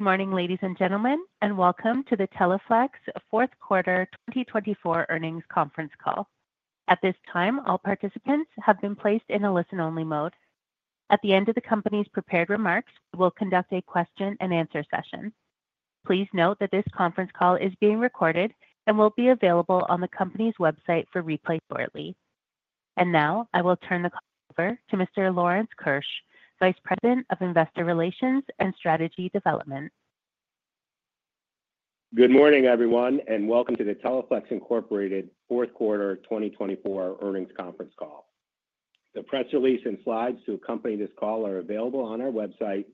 Good morning, ladies and gentlemen, and welcome to the Teleflex Fourth Quarter 2024 Earnings Conference Call. At this time, all participants have been placed in a listen-only mode. At the end of the company's prepared remarks, we will conduct a question-and-answer session. Please note that this conference call is being recorded and will be available on the company's website for replay shortly. And now, I will turn the call over to Mr. Lawrence Keusch, Vice President of Investor Relations and Strategy Development. Good morning, everyone, and welcome to the Teleflex Incorporated Fourth Quarter 2024 earnings conference call. The press release and slides to accompany this call are available on our website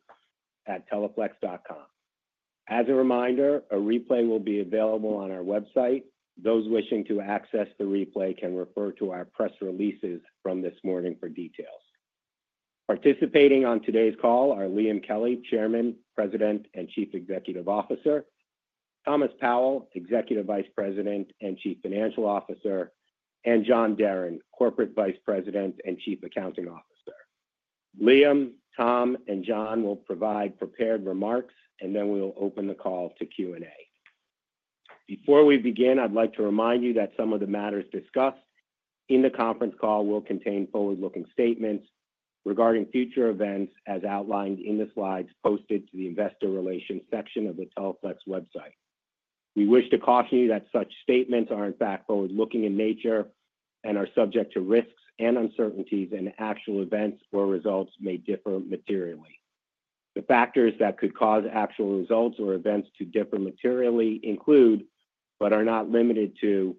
at teleflex.com. As a reminder, a replay will be available on our website. Those wishing to access the replay can refer to our press releases from this morning for details. Participating on today's call are Liam Kelly, Chairman, President, and Chief Executive Officer, Thomas Powell, Executive Vice President and Chief Financial Officer, and John Deren, Corporate Vice President and Chief Accounting Officer. Liam, Tom, and John will provide prepared remarks, and then we'll open the call to Q&A. Before we begin, I'd like to remind you that some of the matters discussed in the conference call will contain forward-looking statements regarding future events as outlined in the slides posted to the Investor Relations section of the Teleflex website. We wish to caution you that such statements are in fact forward-looking in nature and are subject to risks and uncertainties, and actual events or results may differ materially. The factors that could cause actual results or events to differ materially include, but are not limited to,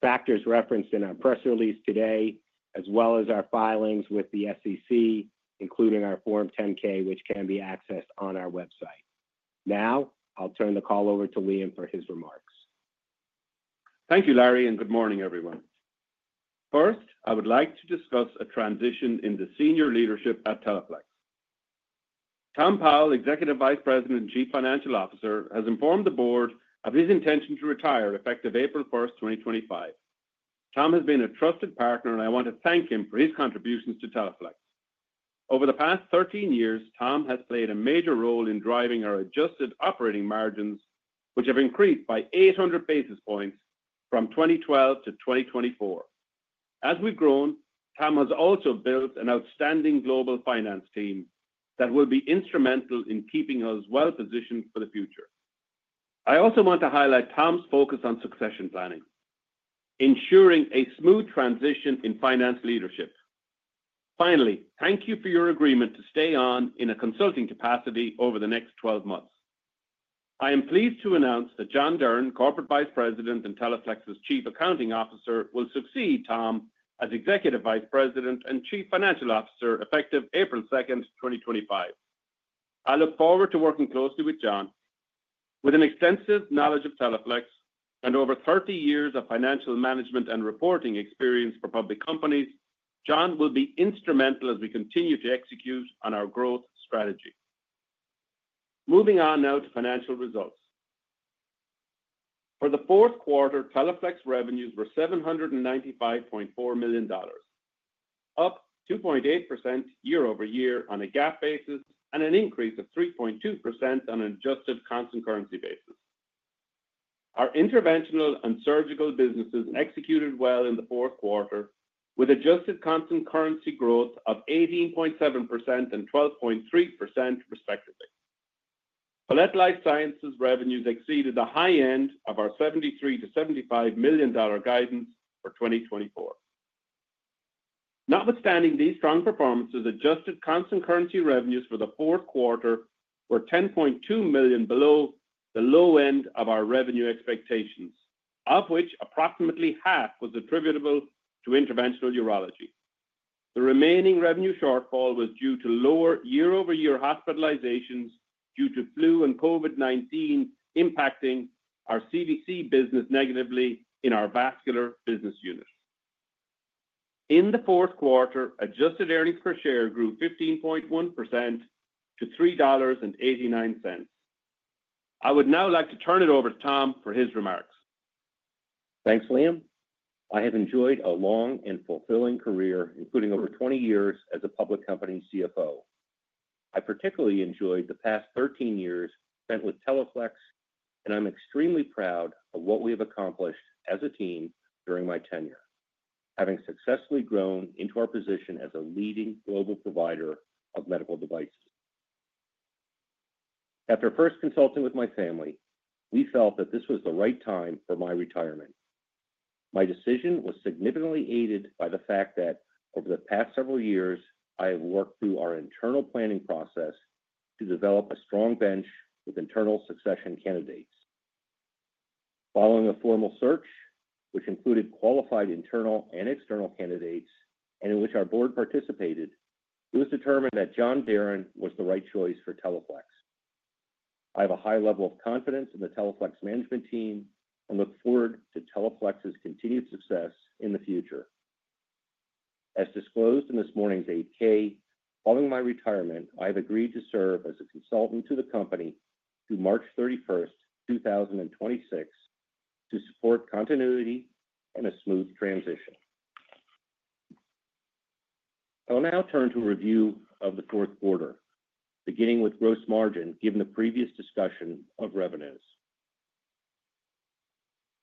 factors referenced in our press release today, as well as our filings with the SEC, including our Form 10-K, which can be accessed on our website. Now, I'll turn the call over to Liam for his remarks. Thank you, Larry, and good morning, everyone. First, I would like to discuss a transition in the senior leadership at Teleflex. Tom Powell, Executive Vice President and Chief Financial Officer, has informed the board of his intention to retire effective April 1, 2025. Tom has been a trusted partner, and I want to thank him for his contributions to Teleflex. Over the past 13 years, Tom has played a major role in driving our adjusted operating margins, which have increased by 800 basis points from 2012 to 2024. As we've grown, Tom has also built an outstanding global finance team that will be instrumental in keeping us well-positioned for the future. I also want to highlight Tom's focus on succession planning, ensuring a smooth transition in finance leadership. Finally, thank you for your agreement to stay on in a consulting capacity over the next 12 months. I am pleased to announce that John Deren, Corporate Vice President and Teleflex's Chief Accounting Officer, will succeed Tom as Executive Vice President and Chief Financial Officer effective April 2, 2025. I look forward to working closely with John. With an extensive knowledge of Teleflex and over 30 years of financial management and reporting experience for public companies, John will be instrumental as we continue to execute on our growth strategy. Moving on now to financial results. For the fourth quarter, Teleflex revenues were $795.4 million, up 2.8% year-over-year on a GAAP basis and an increase of 3.2% on an adjusted constant currency basis. Our interventional and surgical businesses executed well in the fourth quarter, with adjusted constant currency growth of 18.7% and 12.3%, respectively. Palette Life Sciences' revenues exceeded the high end of our $73-$75 million guidance for 2024. Notwithstanding these strong performances, adjusted constant currency revenues for the fourth quarter were $10.2 million below the low end of our revenue expectations, of which approximately half was attributable to Interventional Urology. The remaining revenue shortfall was due to lower year-over-year hospitalizations due to flu and COVID-19 impacting our CVC business negatively in our Vascular business unit. In the fourth quarter, adjusted earnings per share grew 15.1% to $3.89. I would now like to turn it over to Tom for his remarks. Thanks, Liam. I have enjoyed a long and fulfilling career, including over 20 years as a public company CFO. I particularly enjoyed the past 13 years spent with Teleflex, and I'm extremely proud of what we have accomplished as a team during my tenure, having successfully grown into our position as a leading global provider of medical devices. After first consulting with my family, we felt that this was the right time for my retirement. My decision was significantly aided by the fact that over the past several years, I have worked through our internal planning process to develop a strong bench with internal succession candidates. Following a formal search, which included qualified internal and external candidates and in which our board participated, it was determined that John Deren was the right choice for Teleflex. I have a high level of confidence in the Teleflex management team and look forward to Teleflex's continued success in the future. As disclosed in this morning's 8-K, following my retirement, I have agreed to serve as a consultant to the company through March 31, 2026, to support continuity and a smooth transition. I'll now turn to a review of the fourth quarter, beginning with gross margin given the previous discussion of revenues.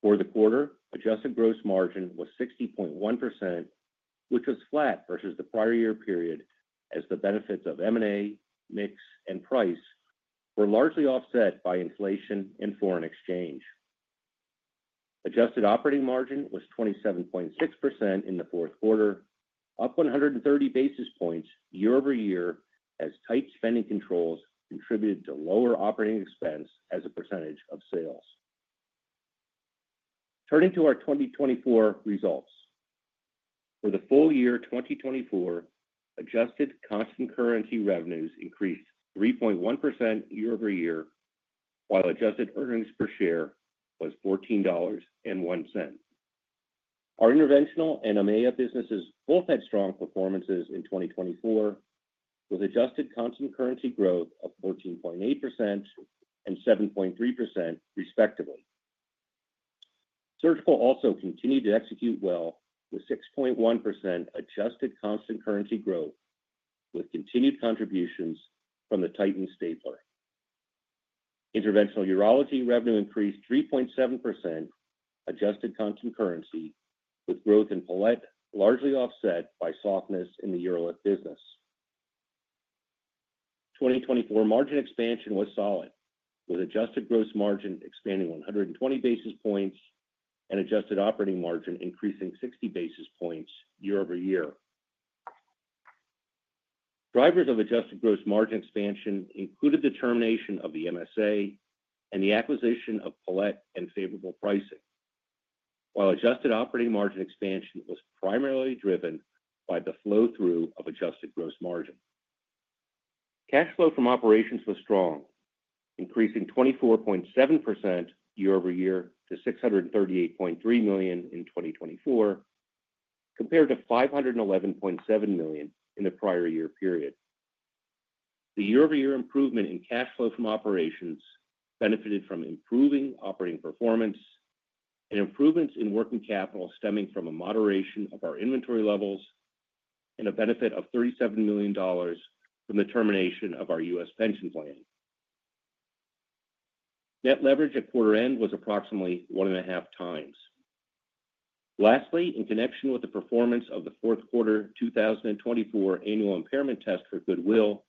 For the quarter, adjusted gross margin was 60.1%, which was flat versus the prior year period, as the benefits of M&A, mix, and price were largely offset by inflation and foreign exchange. Adjusted operating margin was 27.6% in the fourth quarter, up 130 basis points year-over-year, as tight spending controls contributed to lower operating expense as a percentage of sales. Turning to our 2024 results, for the full year 2024, adjusted constant currency revenues increased 3.1% year-over-year, while adjusted earnings per share was $14.01. Our interventional and M&A businesses both had strong performances in 2024, with adjusted constant currency growth of 14.8% and 7.3%, respectively. Surgical also continued to execute well, with 6.1% adjusted constant currency growth, with continued contributions from the Titan Stapler. Interventional Urology revenue increased 3.7%, adjusted constant currency, with growth in Palette largely offset by softness in the UroLift business. 2024 margin expansion was solid, with adjusted gross margin expanding 120 basis points and adjusted operating margin increasing 60 basis points year-over-year. Drivers of adjusted gross margin expansion included the termination of the MSA and the acquisition of Palette and favorable pricing, while adjusted operating margin expansion was primarily driven by the flow-through of adjusted gross margin. Cash flow from operations was strong, increasing 24.7% year-over-year to $638.3 million in 2024, compared to $511.7 million in the prior year period. The year-over-year improvement in cash flow from operations benefited from improving operating performance and improvements in working capital stemming from a moderation of our inventory levels and a benefit of $37 million from the termination of our U.S. pension plan. Net leverage at quarter-end was approximately one and a half times. Lastly, in connection with the performance of the fourth quarter 2024 annual impairment test for goodwill,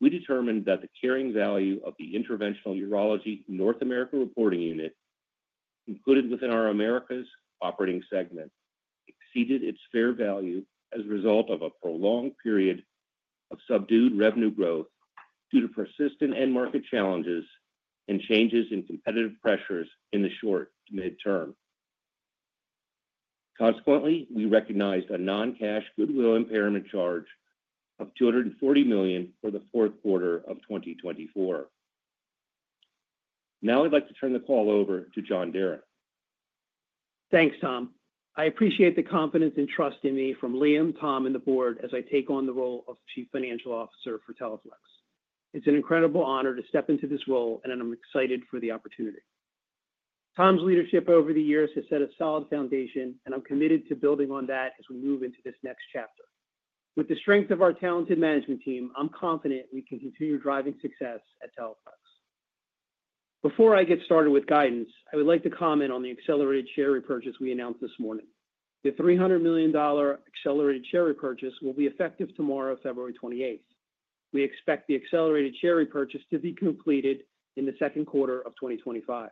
we determined that the carrying value of the Interventional Urology North America Reporting Unit, included within our Americas operating segment, exceeded its fair value as a result of a prolonged period of subdued revenue growth due to persistent end-market challenges and changes in competitive pressures in the short to midterm. Consequently, we recognized a non-cash goodwill impairment charge of $240 million for the fourth quarter of 2024. Now, I'd like to turn the call over to John Deren. Thanks, Tom. I appreciate the confidence and trust in me from Liam, Tom, and the board as I take on the role of Chief Financial Officer for Teleflex. It's an incredible honor to step into this role, and I'm excited for the opportunity. Tom's leadership over the years has set a solid foundation, and I'm committed to building on that as we move into this next chapter. With the strength of our talented management team, I'm confident we can continue driving success at Teleflex. Before I get started with guidance, I would like to comment on the accelerated share repurchase we announced this morning. The $300 million accelerated share repurchase will be effective tomorrow, February 28. We expect the accelerated share repurchase to be completed in the second quarter of 2025.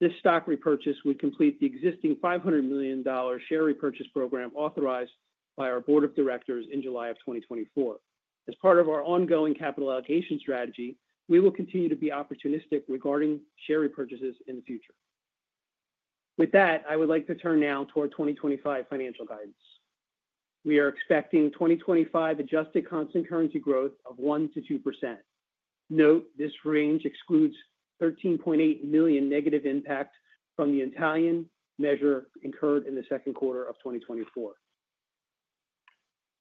This stock repurchase would complete the existing $500 million share repurchase program authorized by our board of directors in July of 2024. As part of our ongoing capital allocation strategy, we will continue to be opportunistic regarding share repurchases in the future. With that, I would like to turn now toward 2025 financial guidance. We are expecting 2025 adjusted constant currency growth of 1%-2%. Note this range excludes $13.8 million negative impact from the Italian measure incurred in the second quarter of 2024.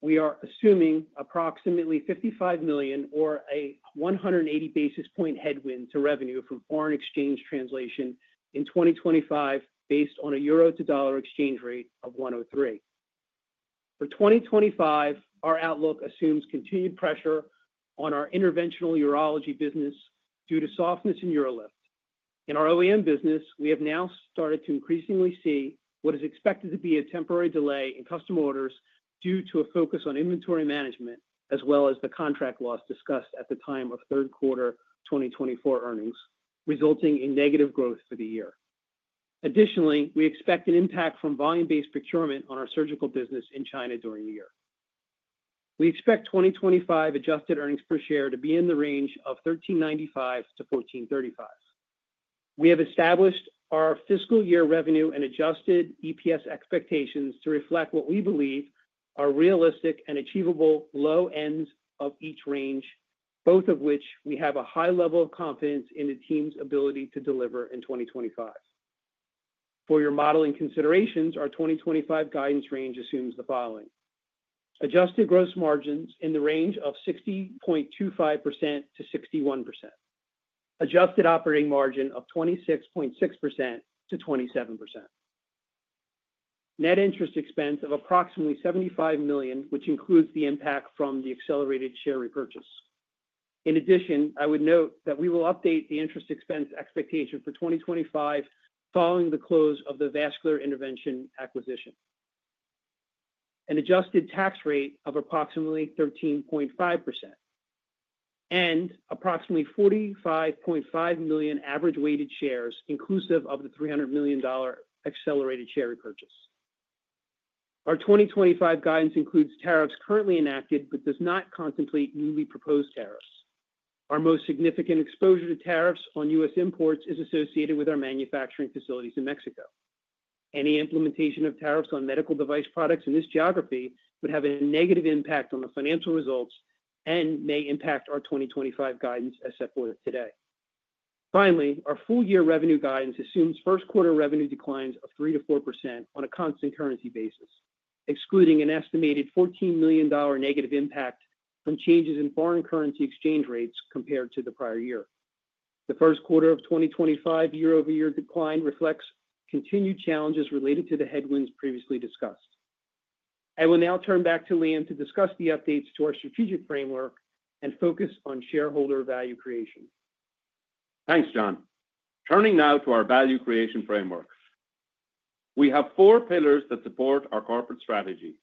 We are assuming approximately $55 million or a 180 basis points headwind to revenue from foreign exchange translation in 2025, based on a euro to dollar exchange rate of 1.03. For 2025, our outlook assumes continued pressure on our Interventional Urology business due to softness in UroLift. In our OEM business, we have now started to increasingly see what is expected to be a temporary delay in custom orders due to a focus on inventory management, as well as the contract loss discussed at the time of third quarter 2024 earnings, resulting in negative growth for the year. Additionally, we expect an impact from volume-based procurement on our surgical business in China during the year. We expect 2025 adjusted earnings per share to be in the range of $13.95-$14.35. We have established our fiscal year revenue and adjusted EPS expectations to reflect what we believe are realistic and achievable low ends of each range, both of which we have a high level of confidence in the team's ability to deliver in 2025. For your modeling considerations, our 2025 guidance range assumes the following: adjusted gross margins in the range of 60.25% to 61%, adjusted operating margin of 26.6% to 27%, net interest expense of approximately $75 million, which includes the impact from the accelerated share repurchase. In addition, I would note that we will update the interest expense expectation for 2025 following the close of the Vascular Intervention acquisition, an adjusted tax rate of approximately 13.5%, and approximately 45.5 million average weighted shares, inclusive of the $300 million accelerated share repurchase. Our 2025 guidance includes tariffs currently enacted but does not contemplate newly proposed tariffs. Our most significant exposure to tariffs on U.S. imports is associated with our manufacturing facilities in Mexico. Any implementation of tariffs on medical device products in this geography would have a negative impact on the financial results and may impact our 2025 guidance as set forth today. Finally, our full year revenue guidance assumes first quarter revenue declines of 3%-4% on a constant currency basis, excluding an estimated $14 million negative impact from changes in foreign currency exchange rates compared to the prior year. The first quarter of 2025 year-over-year decline reflects continued challenges related to the headwinds previously discussed. I will now turn back to Liam to discuss the updates to our strategic framework and focus on shareholder value creation. Thanks, John. Turning now to our value creation framework, we have four pillars that support our corporate strategy.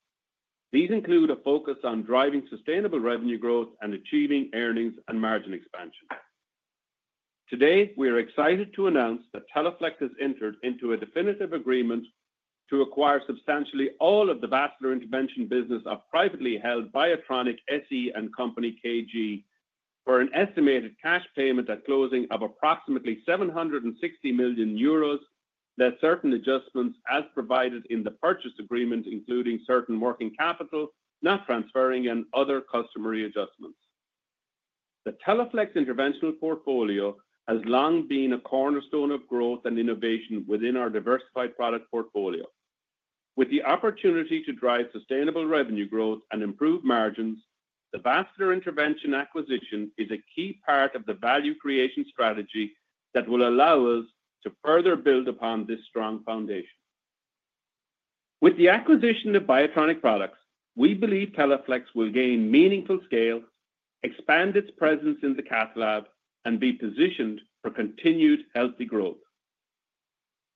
These include a focus on driving sustainable revenue growth and achieving earnings and margin expansion. Today, we are excited to announce that Teleflex has entered into a definitive agreement to acquire substantially all of the vascular intervention business of privately held Biotronik SE & Co. KG for an estimated cash payment at closing of approximately €760 million. There are certain adjustments as provided in the purchase agreement, including certain working capital, net transfer, and other customary adjustments. The Teleflex interventional portfolio has long been a cornerstone of growth and innovation within our diversified product portfolio. With the opportunity to drive sustainable revenue growth and improve margins, the vascular intervention acquisition is a key part of the value creation strategy that will allow us to further build upon this strong foundation. With the acquisition of Biotronik products, we believe Teleflex will gain meaningful scale, expand its presence in cath lab, and be positioned for continued healthy growth.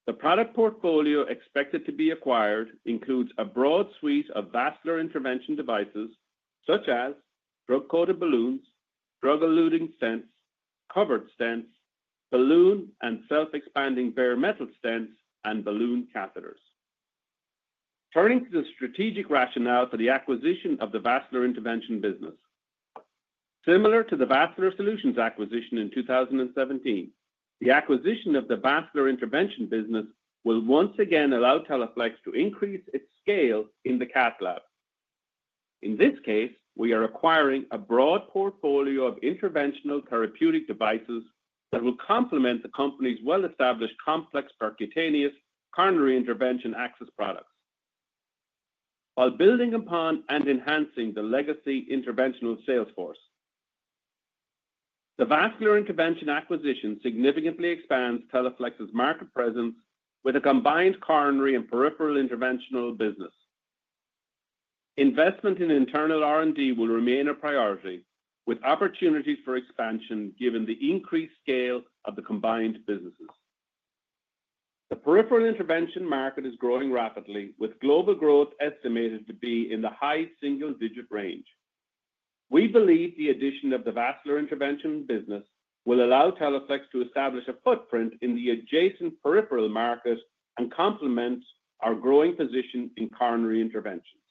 The product portfolio expected to be acquired includes a broad suite of vascular intervention devices, such as drug-coated balloons, drug-eluting stents, covered stents, balloon and self-expanding bare-metal stents, and balloon catheters. Turning to the strategic rationale for the acquisition of the vascular intervention business, similar to the Vascular Solutions acquisition in 2017, the acquisition of the vascular intervention business will once again allow Teleflex to increase its scale in cath lab. in this case, we are acquiring a broad portfolio of interventional therapeutic devices that will complement the company's well-established complex percutaneous coronary intervention access products, while building upon and enhancing the legacy interventional sales force. The vascular intervention acquisition significantly expands Teleflex's market presence with a combined coronary and peripheral interventional business. Investment in internal R&D will remain a priority, with opportunities for expansion given the increased scale of the combined businesses. The peripheral intervention market is growing rapidly, with global growth estimated to be in the high single-digit range. We believe the addition of the vascular intervention business will allow Teleflex to establish a footprint in the adjacent peripheral market and complement our growing position in coronary interventions.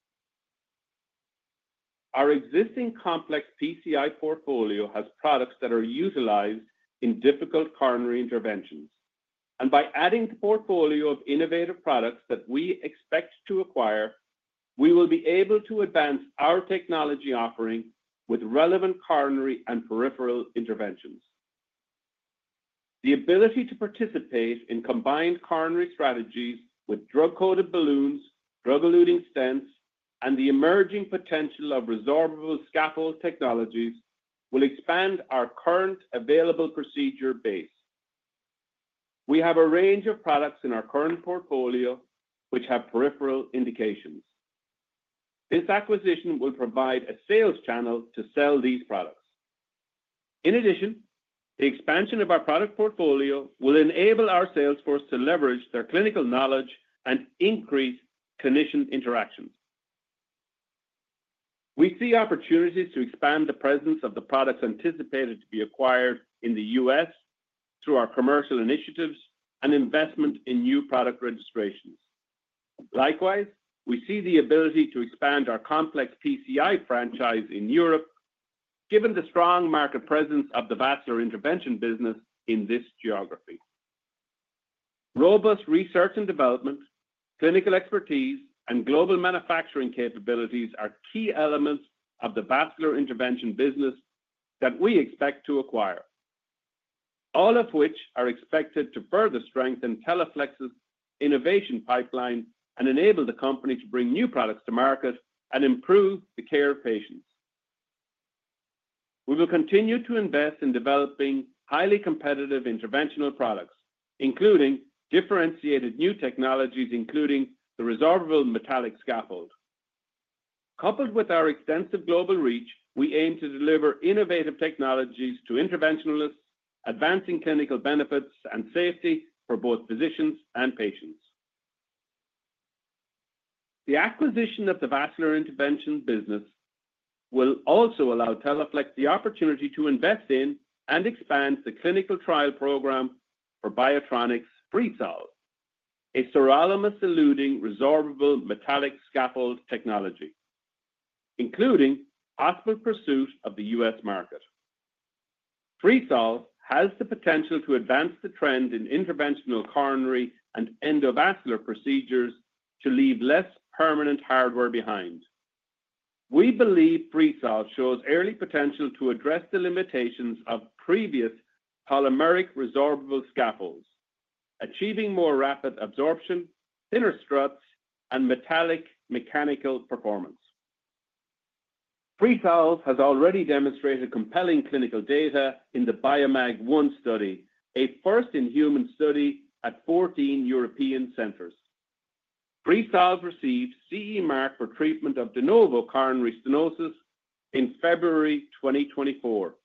Our existing complex PCI portfolio has products that are utilized in difficult coronary interventions, and by adding to the portfolio of innovative products that we expect to acquire, we will be able to advance our technology offering with relevant coronary and peripheral interventions. The ability to participate in combined coronary strategies with drug-coated balloons, drug-eluting stents, and the emerging potential of resorbable scaffold technologies will expand our current available procedure base. We have a range of products in our current portfolio which have peripheral indications. This acquisition will provide a sales channel to sell these products. In addition, the expansion of our product portfolio will enable our sales force to leverage their clinical knowledge and increase clinician interactions. We see opportunities to expand the presence of the products anticipated to be acquired in the U.S. through our commercial initiatives and investment in new product registrations. Likewise, we see the ability to expand our complex PCI franchise in Europe, given the strong market presence of the vascular intervention business in this geography. Robust research and development, clinical expertise, and global manufacturing capabilities are key elements of the vascular intervention business that we expect to acquire, all of which are expected to further strengthen Teleflex's innovation pipeline and enable the company to bring new products to market and improve the care of patients. We will continue to invest in developing highly competitive interventional products, including differentiated new technologies, including the resorbable metallic scaffold. Coupled with our extensive global reach, we aim to deliver innovative technologies to interventionalists, advancing clinical benefits and safety for both physicians and patients. The acquisition of the vascular intervention business will also allow Teleflex the opportunity to invest in and expand the clinical trial program for Biotronik Freesolve, sirolimus-eluting resorbable metallic scaffold technology, including possible pursuit of the U.S. market. Freesolve has the potential to advance the trend in interventional coronary and endovascular procedures to leave less permanent hardware behind. We believe Freesolve shows early potential to address the limitations of previous polymeric resorbable scaffolds, achieving more rapid absorption, thinner struts, and metallic mechanical performance. Freesolve has already demonstrated compelling clinical data in the BIOMAG-I study, a first-in-human study at 14 European centers. Freesolve received CE Mark for treatment of de novo coronary stenosis in February 2024,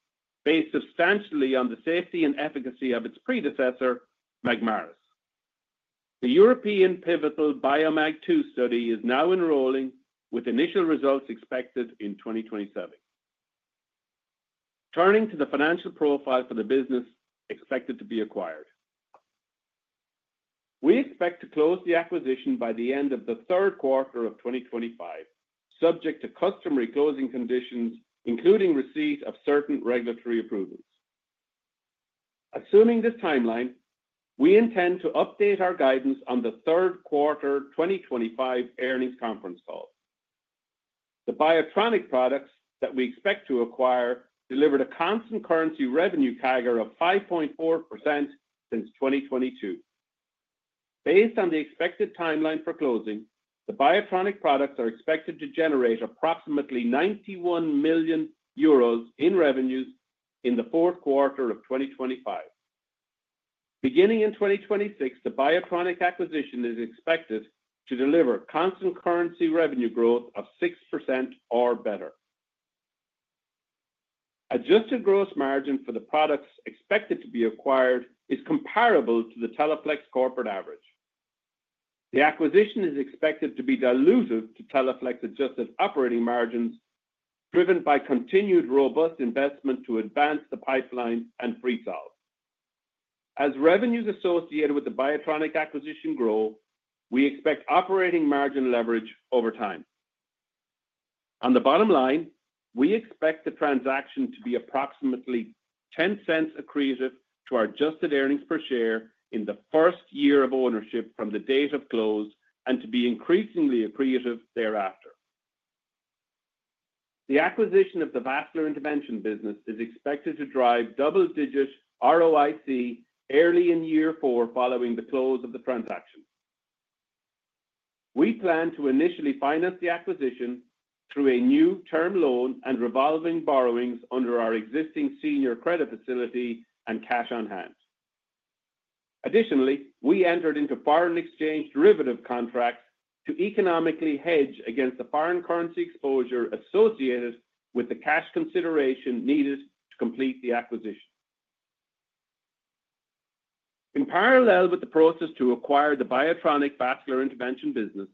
based substantially on the safety and efficacy of its predecessor, Magmaris. The European pivotal BIOMAG-II study is now enrolling, with initial results expected in 2027. Turning to the financial profile for the business expected to be acquired, we expect to close the acquisition by the end of the third quarter of 2025, subject to customary closing conditions, including receipt of certain regulatory approvals. Assuming this timeline, we intend to update our guidance on the third quarter 2025 earnings conference call. The Biotronik products that we expect to acquire delivered a constant currency revenue CAGR of 5.4% since 2022. Based on the expected timeline for closing, the Biotronik products are expected to generate approximately €91 million in revenues in the fourth quarter of 2025. Beginning in 2026, the Biotronik acquisition is expected to deliver constant currency revenue growth of 6% or better. Adjusted gross margin for the products expected to be acquired is comparable to the Teleflex corporate average. The acquisition is expected to be dilutive to Teleflex's adjusted operating margins, driven by continued robust investment to advance the pipeline and Freesolve. As revenues associated with the Biotronik acquisition grow, we expect operating margin leverage over time. On the bottom line, we expect the transaction to be approximately $0.10 accretive to our adjusted earnings per share in the first year of ownership from the date of close and to be increasingly accretive thereafter. The acquisition of the vascular intervention business is expected to drive double-digit ROIC early in year four following the close of the transaction. We plan to initially finance the acquisition through a new term loan and revolving borrowings under our existing senior credit facility and cash on hand. Additionally, we entered into foreign exchange derivative contracts to economically hedge against the foreign currency exposure associated with the cash consideration needed to complete the acquisition. In parallel with the process to acquire the Biotronik vascular intervention business,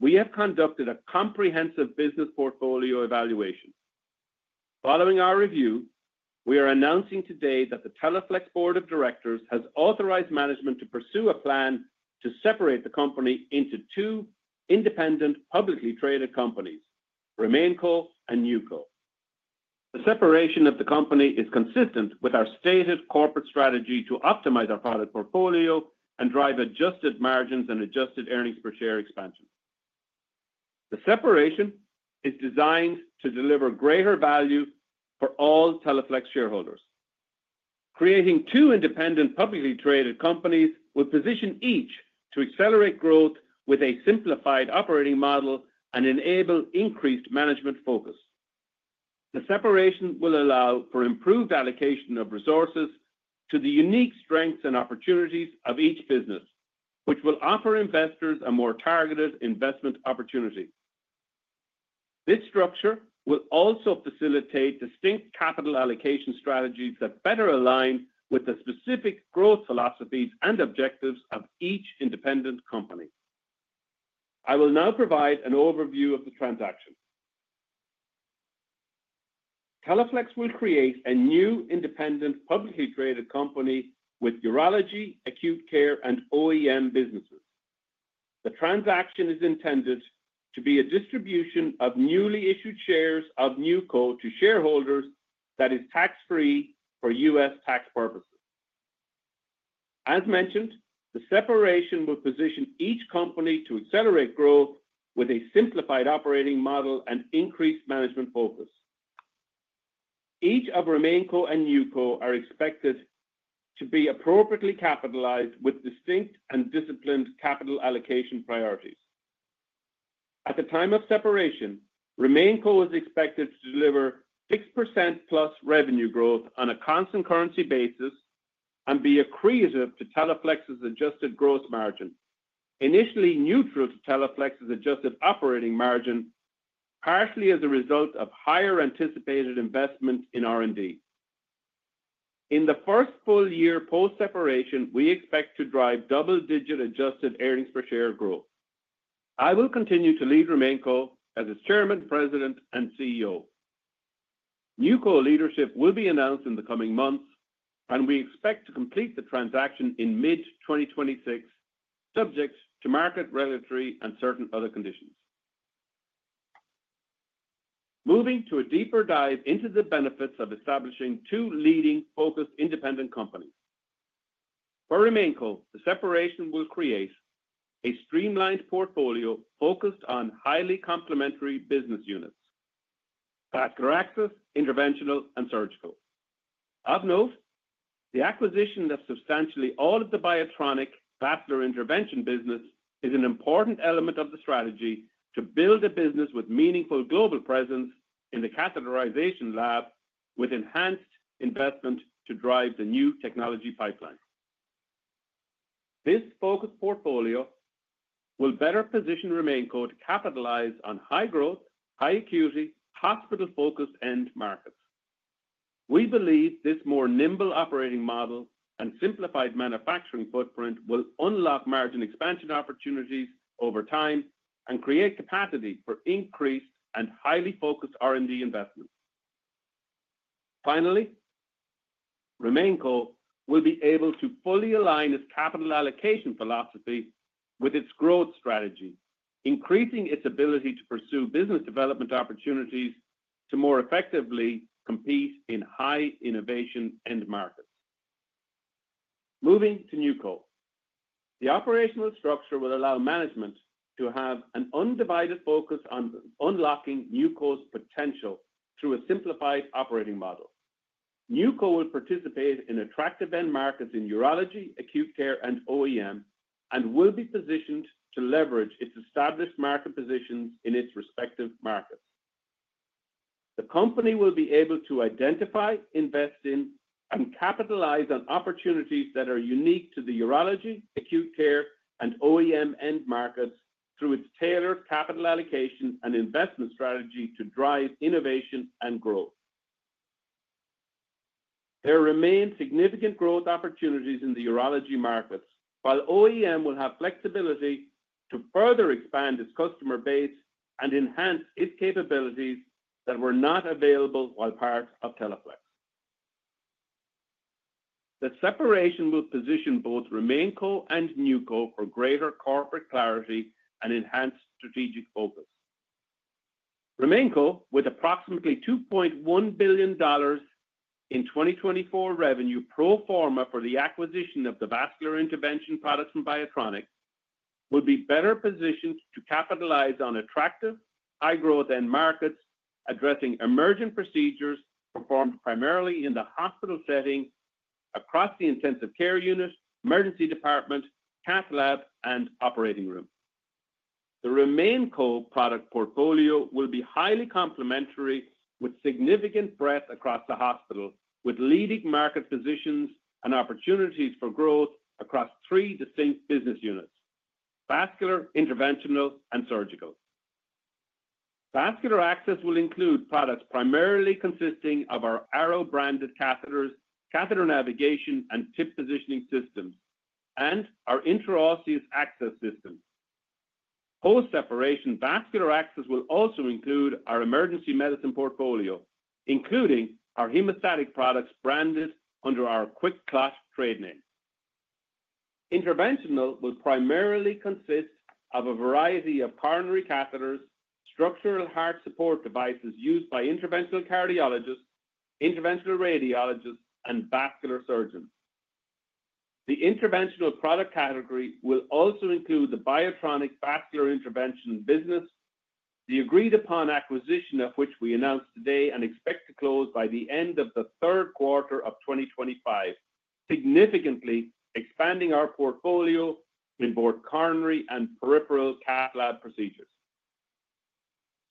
we have conducted a comprehensive business portfolio evaluation. Following our review, we are announcing today that the Teleflex Board of Directors has authorized management to pursue a plan to separate the company into two independent publicly traded companies, RemainCo and NewCo. The separation of the company is consistent with our stated corporate strategy to optimize our product portfolio and drive adjusted margins and adjusted earnings per share expansion. The separation is designed to deliver greater value for all Teleflex shareholders. Creating two independent publicly traded companies will position each to accelerate growth with a simplified operating model and enable increased management focus. The separation will allow for improved allocation of resources to the unique strengths and opportunities of each business, which will offer investors a more targeted investment opportunity. This structure will also facilitate distinct capital allocation strategies that better align with the specific growth philosophies and objectives of each independent company. I will now provide an overview of the transaction. Teleflex will create a new independent publicly traded company with urology, acute care, and OEM businesses. The transaction is intended to be a distribution of newly issued shares of NewCo to shareholders that is tax-free for U.S. tax purposes. As mentioned, the separation will position each company to accelerate growth with a simplified operating model and increased management focus. Each of RemainCo and NewCo are expected to be appropriately capitalized with distinct and disciplined capital allocation priorities. At the time of separation, RemainCo is expected to deliver 6% plus revenue growth on a constant currency basis and be accretive to Teleflex's adjusted gross margin, initially neutral to Teleflex's adjusted operating margin, partially as a result of higher anticipated investment in R&D. In the first full year post-separation, we expect to drive double-digit adjusted earnings per share growth. I will continue to lead RemainCo as its Chairman, President, and CEO. NewCo leadership will be announced in the coming months, and we expect to complete the transaction in mid-2026, subject to market regulatory and certain other conditions. Moving to a deeper dive into the benefits of establishing two leading focused independent companies. For RemainCo, the separation will create a streamlined portfolio focused on highly complementary business units: vascular access, interventional, and surgical. Of note, the acquisition of substantially all of the Biotronik vascular intervention business is an important element of the strategy to build a business with meaningful global presence in the catheterization lab, with enhanced investment to drive the new technology pipeline. This focused portfolio will better position RemainCo to capitalize on high-growth, high-acuity, hospital-focused end markets. We believe this more nimble operating model and simplified manufacturing footprint will unlock margin expansion opportunities over time and create capacity for increased and highly focused R&D investments. Finally, RemainCo will be able to fully align its capital allocation philosophy with its growth strategy, increasing its ability to pursue business development opportunities to more effectively compete in high-innovation end markets. Moving to NewCo, the operational structure will allow management to have an undivided focus on unlocking NewCo's potential through a simplified operating model. NewCo will participate in attractive end markets in urology, acute care, and OEM, and will be positioned to leverage its established market positions in its respective markets. The company will be able to identify, invest in, and capitalize on opportunities that are unique to the urology, acute care, and OEM end markets through its tailored capital allocation and investment strategy to drive innovation and growth. There remain significant growth opportunities in the urology markets, while OEM will have flexibility to further expand its customer base and enhance its capabilities that were not available while part of Teleflex. The separation will position both RemainCo and NewCo for greater corporate clarity and enhanced strategic focus. RemainCo, with approximately $2.1 billion in 2024 revenue pro forma for the acquisition of the vascular intervention products from Biotronik, will be better positioned to capitalize on attractive high-growth end markets, addressing emergent procedures performed primarily in the hospital setting across the intensive care unit, emergency cath lab, and operating room. The RemainCo product portfolio will be highly complementary with significant breadth across the hospital, with leading market positions and opportunities for growth across three distinct business units: vascular, interventional, and surgical. Vascular access will include products primarily consisting of our Arrow branded catheters, catheter navigation and tip positioning systems, and our intraosseous access systems. Post-separation, vascular access will also include our emergency medicine portfolio, including our hemostatic products branded under our QuikClot trade name. Interventional will primarily consist of a variety of coronary catheters, structural heart support devices used by interventional cardiologists, interventional radiologists, and vascular surgeons. The interventional product category will also include the Biotronik vascular intervention business, the agreed-upon acquisition of which we announced today and expect to close by the end of the third quarter of 2025, significantly expanding our portfolio in both coronary and cath lab procedures.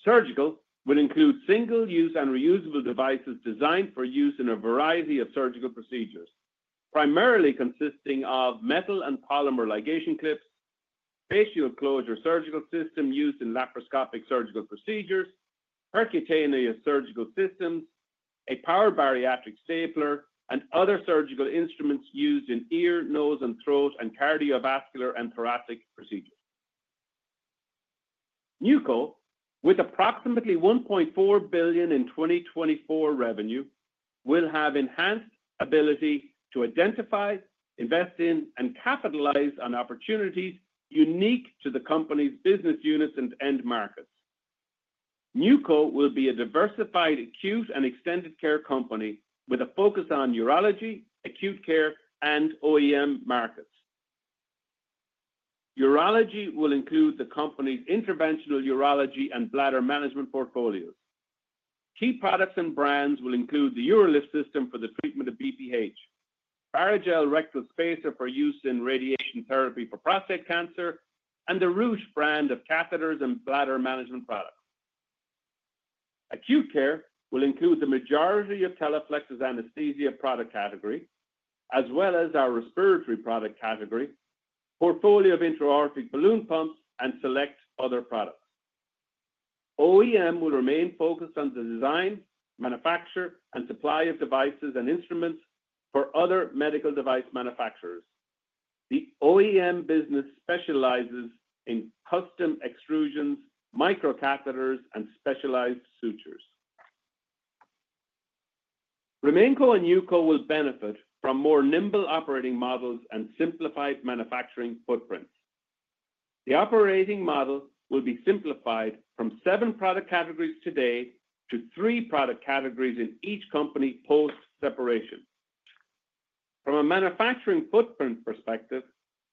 Surgical will include single-use and reusable devices designed for use in a variety of surgical procedures, primarily consisting of metal and polymer ligation clips, fascial closure surgical system used in laparoscopic surgical procedures, percutaneous surgical systems, a power bariatric stapler, and other surgical instruments used in ear, nose, and throat, and cardiovascular and thoracic procedures. NewCo, with approximately $1.4 billion in 2024 revenue, will have enhanced ability to identify, invest in, and capitalize on opportunities unique to the company's business units and end markets. NewCo will be a diversified acute and extended care company with a focus on urology, acute care, and OEM markets. Urology will include the company's Interventional Urology and bladder management portfolios. Key products and brands will include the UroLift system for the treatment of BPH, Barrigel rectal spacer for use in radiation therapy for prostate cancer, and the Rüsch brand of catheters and bladder management products. Acute care will include the majority of Teleflex's anesthesia product category, as well as our respiratory product category, portfolio of intra-aortic balloon pumps, and select other products. OEM will remain focused on the design, manufacture, and supply of devices and instruments for other medical device manufacturers. The OEM business specializes in custom extrusions, microcatheters, and specialized sutures. RemainCo and NewCo will benefit from more nimble operating models and simplified manufacturing footprints. The operating model will be simplified from seven product categories today to three product categories in each company post-separation. From a manufacturing footprint perspective,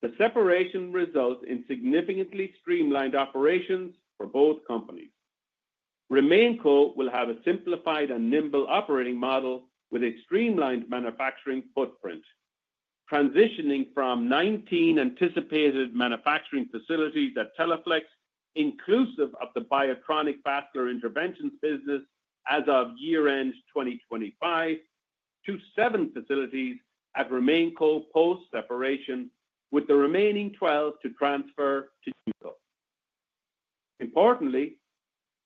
the separation results in significantly streamlined operations for both companies. RemainCo will have a simplified and nimble operating model with a streamlined manufacturing footprint, transitioning from 19 anticipated manufacturing facilities at Teleflex, inclusive of the Biotronik vascular interventions business as of year-end 2025, to seven facilities at RemainCo post-separation, with the remaining 12 to transfer to NewCo. Importantly,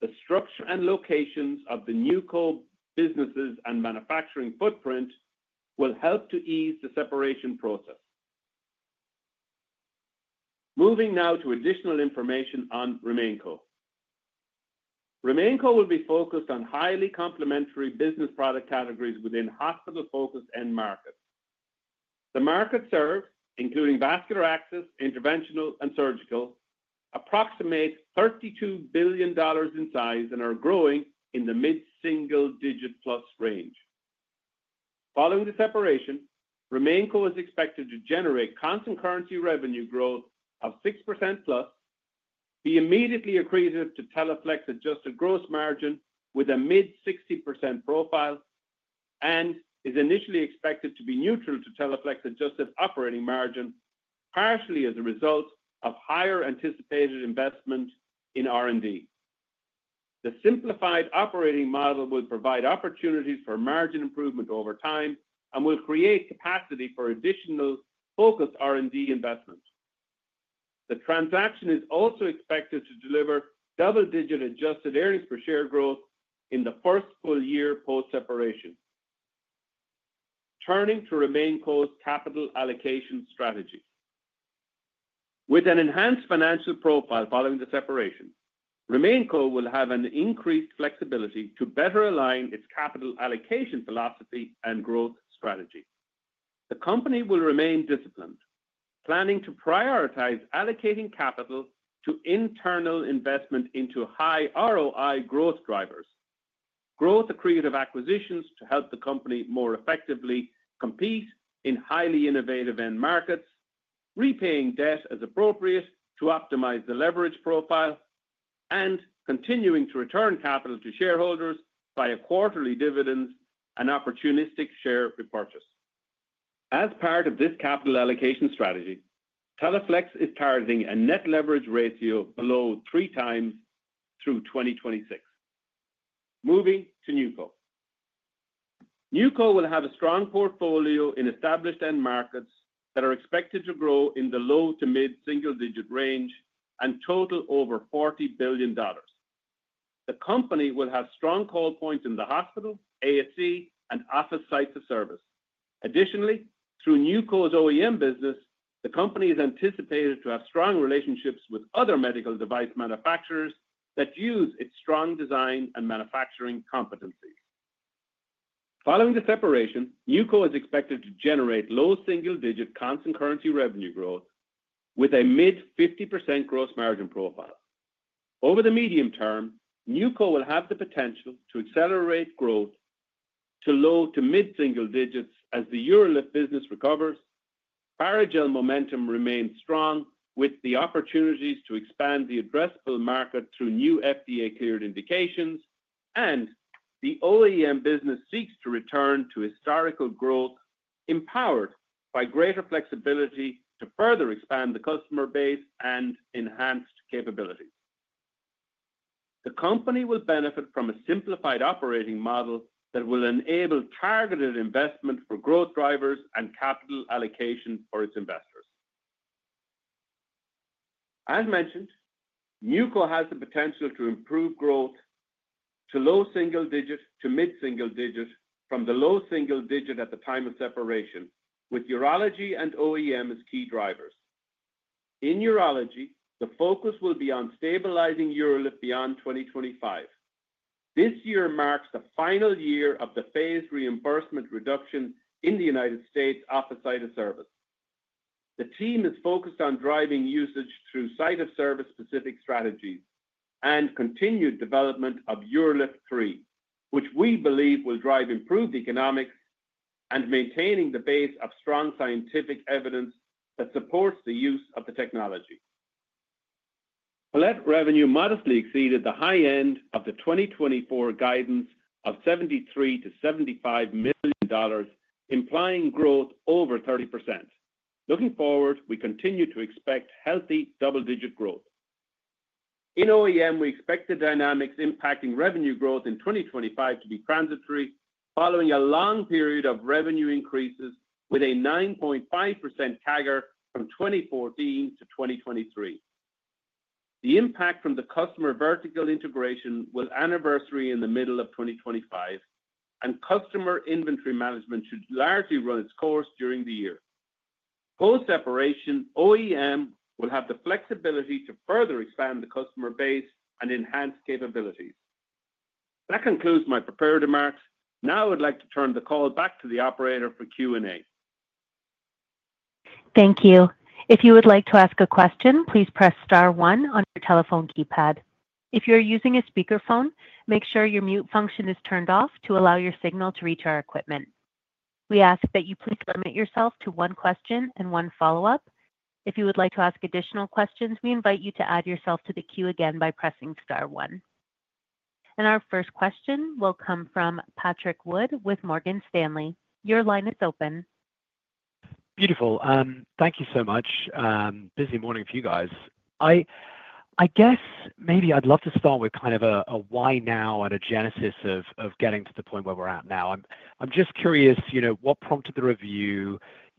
the structure and locations of the NewCo businesses and manufacturing footprint will help to ease the separation process. Moving now to additional information on RemainCo. RemainCo will be focused on highly complementary business product categories within hospital-focused end markets. The market serves, including vascular access, interventional, and surgical, approximate $32 billion in size and are growing in the mid-single-digit plus range. Following the separation, RemainCo is expected to generate constant currency revenue growth of 6% plus, be immediately accretive to Teleflex's adjusted gross margin with a mid-60% profile, and is initially expected to be neutral to Teleflex's adjusted operating margin, partially as a result of higher anticipated investment in R&D. The simplified operating model will provide opportunities for margin improvement over time and will create capacity for additional focused R&D investment. The transaction is also expected to deliver double-digit adjusted earnings per share growth in the first full year post-separation, turning to RemainCo's capital allocation strategy. With an enhanced financial profile following the separation, RemainCo will have an increased flexibility to better align its capital allocation philosophy and growth strategy. The company will remain disciplined, planning to prioritize allocating capital to internal investment into high ROI growth drivers, growth-accretive acquisitions to help the company more effectively compete in highly innovative end markets, repaying debt as appropriate to optimize the leverage profile, and continuing to return capital to shareholders via quarterly dividends and opportunistic share repurchase. As part of this capital allocation strategy, Teleflex is targeting a net leverage ratio below three times through 2026. Moving to NewCo. NewCo will have a strong portfolio in established end markets that are expected to grow in the low to mid-single-digit range and total over $40 billion. The company will have strong call points in the hospital, ASC, and office sites of service. Additionally, through NewCo's OEM business, the company is anticipated to have strong relationships with other medical device manufacturers that use its strong design and manufacturing competencies. Following the separation, NewCo is expected to generate low single-digit constant currency revenue growth with a mid-50% gross margin profile. Over the medium term, NewCo will have the potential to accelerate growth to low to mid-single digits as the UroLift business recovers, Barrigel momentum remains strong with the opportunities to expand the addressable market through new FDA-cleared indications, and the OEM business seeks to return to historical growth empowered by greater flexibility to further expand the customer base and enhanced capabilities. The company will benefit from a simplified operating model that will enable targeted investment for growth drivers and capital allocation for its investors. As mentioned, NewCo has the potential to improve growth to low single-digit to mid-single digit from the low single digit at the time of separation, with urology and OEM as key drivers. In urology, the focus will be on stabilizing UroLift beyond 2025. This year marks the final year of the phased reimbursement reduction in the United States office site-of-service. The team is focused on driving usage through site-of-service specific strategies and continued development of UroLift 3, which we believe will drive improved economics and maintaining the base of strong scientific evidence that supports the use of the technology. Palette revenue modestly exceeded the high end of the 2024 guidance of $73-$75 million, implying growth over 30%. Looking forward, we continue to expect healthy double-digit growth. In OEM, we expect the dynamics impacting revenue growth in 2025 to be transitory following a long period of revenue increases with a 9.5% CAGR from 2014 to 2023. The impact from the customer vertical integration will anniversary in the middle of 2025, and customer inventory management should largely run its course during the year. Post-separation, OEM will have the flexibility to further expand the customer base and enhance capabilities. That concludes my prepared remarks. Now I would like to turn the call back to the operator for Q&A. Thank you. If you would like to ask a question, please press star one on your telephone keypad. If you're using a speakerphone, make sure your mute function is turned off to allow your signal to reach our equipment. We ask that you please limit yourself to one question and one follow-up. If you would like to ask additional questions, we invite you to add yourself to the queue again by pressing star one. And our first question will come from Patrick Wood with Morgan Stanley. Your line is open. Beautiful. Thank you so much. Busy morning for you guys. I guess maybe I'd love to start with kind of a why now and a genesis of getting to the point where we're at now. I'm just curious, what prompted the review,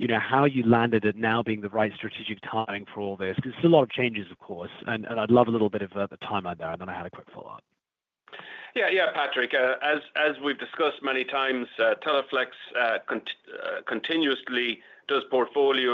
how you landed at now being the right strategic timing for all this? Because it's a lot of changes, of course. I'd love a little bit of a timeline there. Then I had a quick follow-up. Yeah, yeah, Patrick. As we've discussed many times, Teleflex continuously does portfolio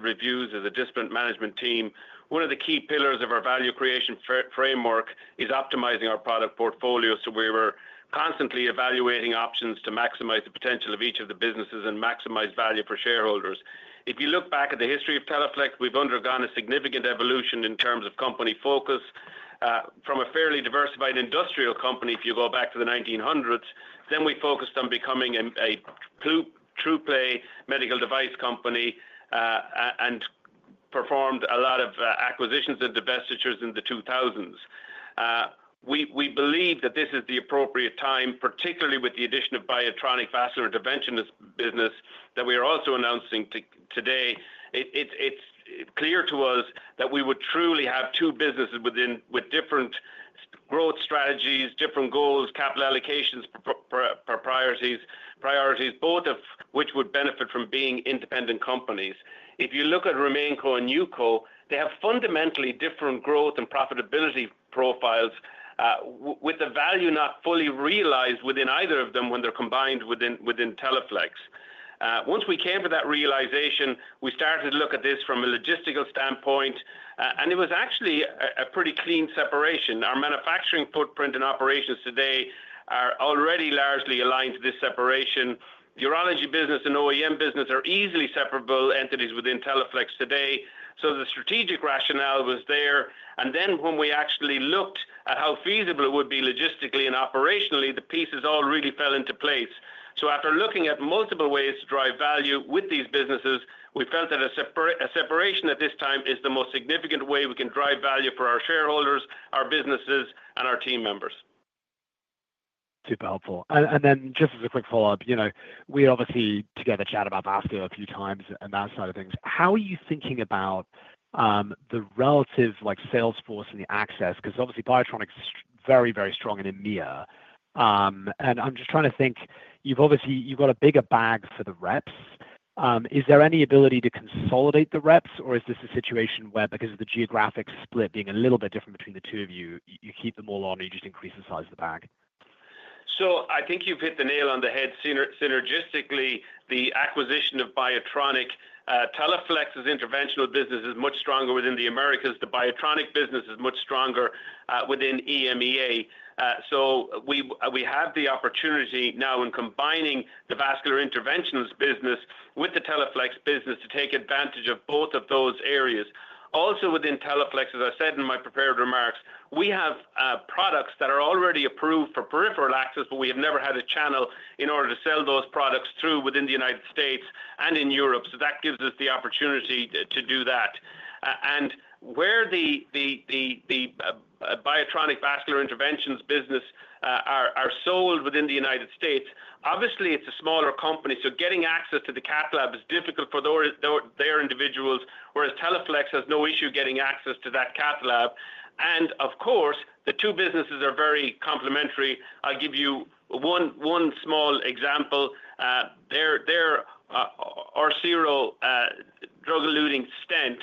reviews as a discipline management team. One of the key pillars of our value creation framework is optimizing our product portfolio. So we were constantly evaluating options to maximize the potential of each of the businesses and maximize value for shareholders. If you look back at the history of Teleflex, we've undergone a significant evolution in terms of company focus. From a fairly diversified industrial company, if you go back to the 1900s, then we focused on becoming a true play medical device company and performed a lot of acquisitions and divestitures in the 2000s. We believe that this is the appropriate time, particularly with the addition of Biotronik vascular intervention business that we are also announcing today. It's clear to us that we would truly have two businesses with different growth strategies, different goals, capital allocations priorities, both of which would benefit from being independent companies. If you look at RemainCo and NewCo, they have fundamentally different growth and profitability profiles with the value not fully realized within either of them when they're combined within Teleflex. Once we came to that realization, we started to look at this from a logistical standpoint, and it was actually a pretty clean separation. Our manufacturing footprint and operations today are already largely aligned to this separation. Urology business and OEM business are easily separable entities within Teleflex today. So the strategic rationale was there. And then when we actually looked at how feasible it would be logistically and operationally, the pieces all really fell into place. So after looking at multiple ways to drive value with these businesses, we felt that a separation at this time is the most significant way we can drive value for our shareholders, our businesses, and our team members. Super helpful. And then just as a quick follow-up, we obviously together chatted about vascular a few times and that side of things. How are you thinking about the relative sales force and the access? Because obviously, Biotronik is very, very strong in EMEA. And I'm just trying to think, you've obviously got a bigger bag for the reps. Is there any ability to consolidate the reps, or is this a situation where, because of the geographic split being a little bit different between the two of you, you keep them all on or you just increase the size of the bag? So I think you've hit the nail on the head. Synergistically, the acquisition of Biotronik, Teleflex's interventional business is much stronger within the Americas. The Biotronik business is much stronger within EMEA. So we have the opportunity now in combining the vascular interventions business with the Teleflex business to take advantage of both of those areas. Also within Teleflex, as I said in my prepared remarks, we have products that are already approved for peripheral access, but we have never had a channel in order to sell those products through within the United States and in Europe. So that gives us the opportunity to do that. Where the Biotronik vascular intervention business is sold within the United States, obviously, it's a smaller company. So getting access to the catalog is difficult for their individuals, whereas Teleflex has no issue getting access to that catalog. Of course, the two businesses are very complementary. I'll give you one small example. Their Orsiro drug-eluting stent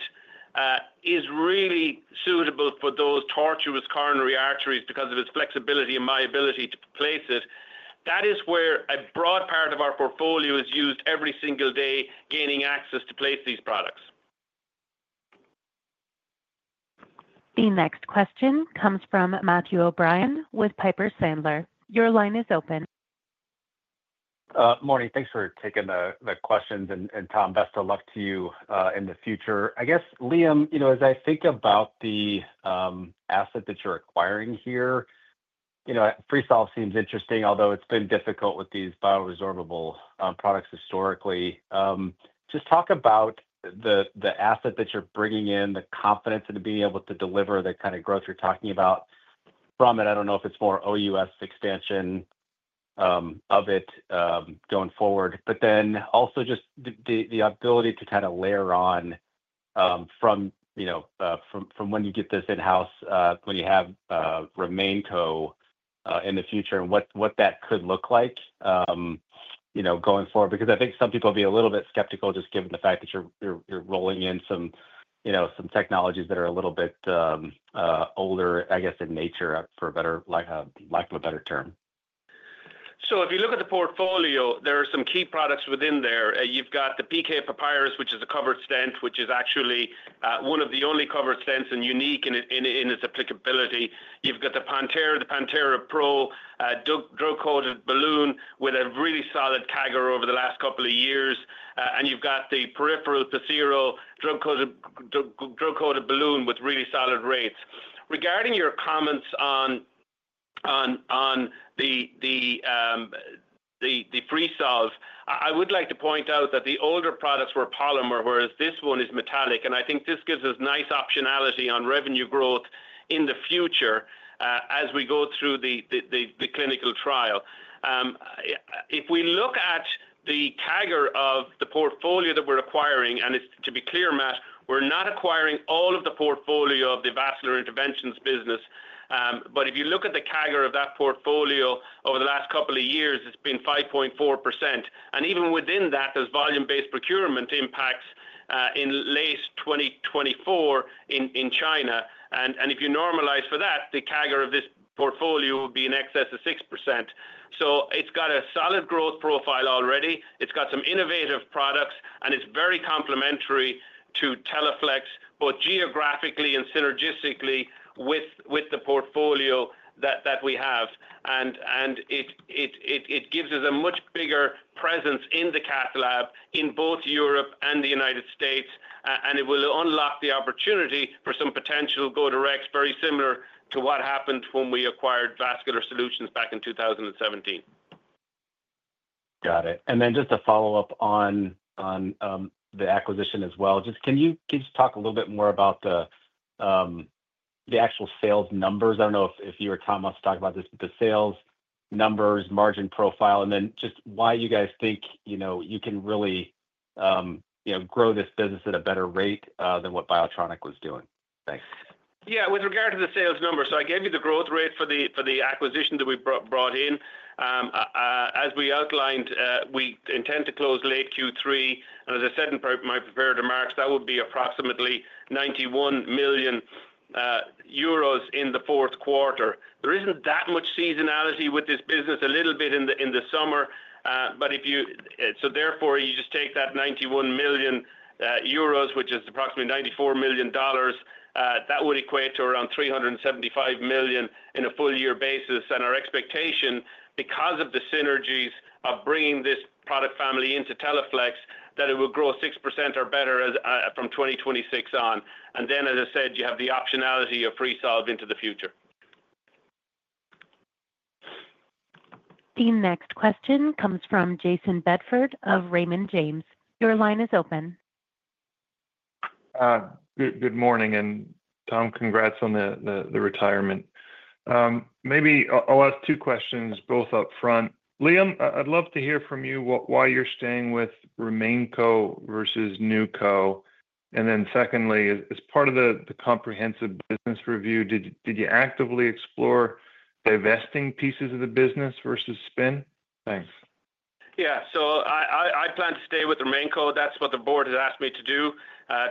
is really suitable for those tortuous coronary arteries because of its flexibility and my ability to place it. That is where a broad part of our portfolio is used every single day, gaining access to place these products. The next question comes from Matthew O'Brien with Piper Sandler. Your line is open. Morning. Thanks for taking the questions. And Tom, best of luck to you in the future. I guess, Liam, as I think about the asset that you're acquiring here, Freesolve seems interesting, although it's been difficult with these bioresorbable products historically. Just talk about the asset that you're bringing in, the confidence in being able to deliver the kind of growth you're talking about from it. I don't know if it's more OUS expansion of it going forward, but then also just the ability to kind of layer on from when you get this in-house, when you have RemainCo in the future, and what that could look like going forward. Because I think some people will be a little bit skeptical just given the fact that you're rolling in some technologies that are a little bit older, I guess, in nature, for lack of a better term. So if you look at the portfolio, there are some key products within there. You've got the PK Papyrus, which is a covered stent, which is actually one of the only covered stents and unique in its applicability. You've got the Pantera, the Pantera Pro drug-coated balloon with a really solid CAGR over the last couple of years. And you've got the peripheral Passeo drug-coated balloon with really solid rates. Regarding your comments on the Freesolve, I would like to point out that the older products were polymer, whereas this one is metallic. And I think this gives us nice optionality on revenue growth in the future as we go through the clinical trial. If we look at the CAGR of the portfolio that we're acquiring, and to be clear, Matt, we're not acquiring all of the portfolio of the vascular interventions business. But if you look at the CAGR of that portfolio over the last couple of years, it's been 5.4%. And even within that, there's volume-based procurement impacts in late 2024 in China. And if you normalize for that, the CAGR of this portfolio would be in excess of 6%. So it's got a solid growth profile already. It's got some innovative products, and it's very complementary to Teleflex, both geographically and synergistically with the portfolio that we have. And it gives us a much bigger presence the cath lab in both Europe and the United States. And it will unlock the opportunity for some potential go-to-market, very similar to what happened when we acquired Vascular Solutions back in 2017. Got it. And then just to follow up on the acquisition as well, just can you talk a little bit more about the actual sales numbers? I don't know if you or Tom wants to talk about this, but the sales numbers, margin profile, and then just why you guys think you can really grow this business at a better rate than what Biotronik was doing. Thanks. Yeah, with regard to the sales numbers, so I gave you the growth rate for the acquisition that we brought in. As we outlined, we intend to close late Q3. And as I said in my prepared remarks, that would be approximately 91 million euros in the fourth quarter. There isn't that much seasonality with this business, a little bit in the summer. But if you so therefore, you just take that 91 million euros, which is approximately $94 million, that would equate to around 375 million in a full-year basis. Our expectation, because of the synergies of bringing this product family into Teleflex, that it will grow 6% or better from 2026 on. And then, as I said, you have the optionality of Freesolve into the future. The next question comes from Jason Bedford of Raymond James. Your line is open. Good morning. And Tom, congrats on the retirement. Maybe I'll ask two questions, both upfront. Liam, I'd love to hear from you why you're staying with RemainCo versus NewCo. And then secondly, as part of the comprehensive business review, did you actively explore divesting pieces of the business versus spin? Thanks. Yeah. So I plan to stay with RemainCo. That's what the board has asked me to do,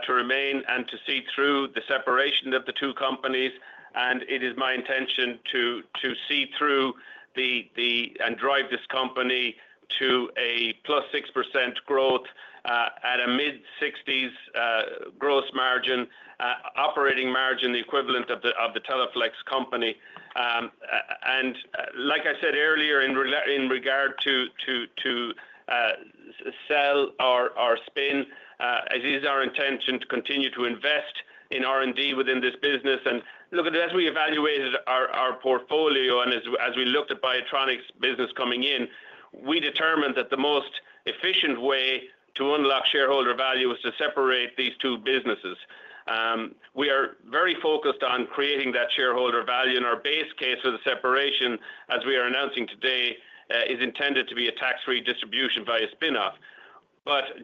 to remain and to see through the separation of the two companies. It is my intention to see through and drive this company to a plus 6% growth at a mid-60s gross margin, operating margin, the equivalent of the Teleflex company. Like I said earlier, in regard to sell or spin, it is our intention to continue to invest in R&D within this business. Look, as we evaluated our portfolio and as we looked at Biotronik's business coming in, we determined that the most efficient way to unlock shareholder value was to separate these two businesses. We are very focused on creating that shareholder value. Our base case for the separation, as we are announcing today, is intended to be a tax-free distribution via spinoff.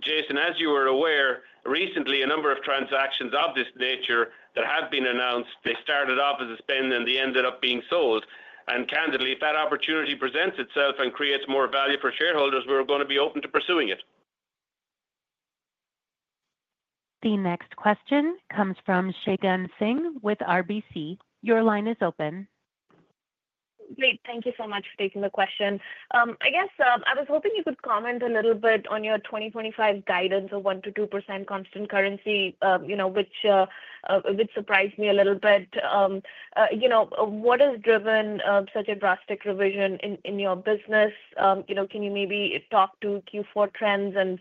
Jason, as you were aware, recently, a number of transactions of this nature that have been announced, they started off as a spin, and they ended up being sold. And candidly, if that opportunity presents itself and creates more value for shareholders, we're going to be open to pursuing it. The next question comes from Shagun Singh with RBC. Your line is open. Great. Thank you so much for taking the question. I guess I was hoping you could comment a little bit on your 2025 guidance of 1%-2% constant currency, which surprised me a little bit. What has driven such a drastic revision in your business? Can you maybe talk to Q4 trends and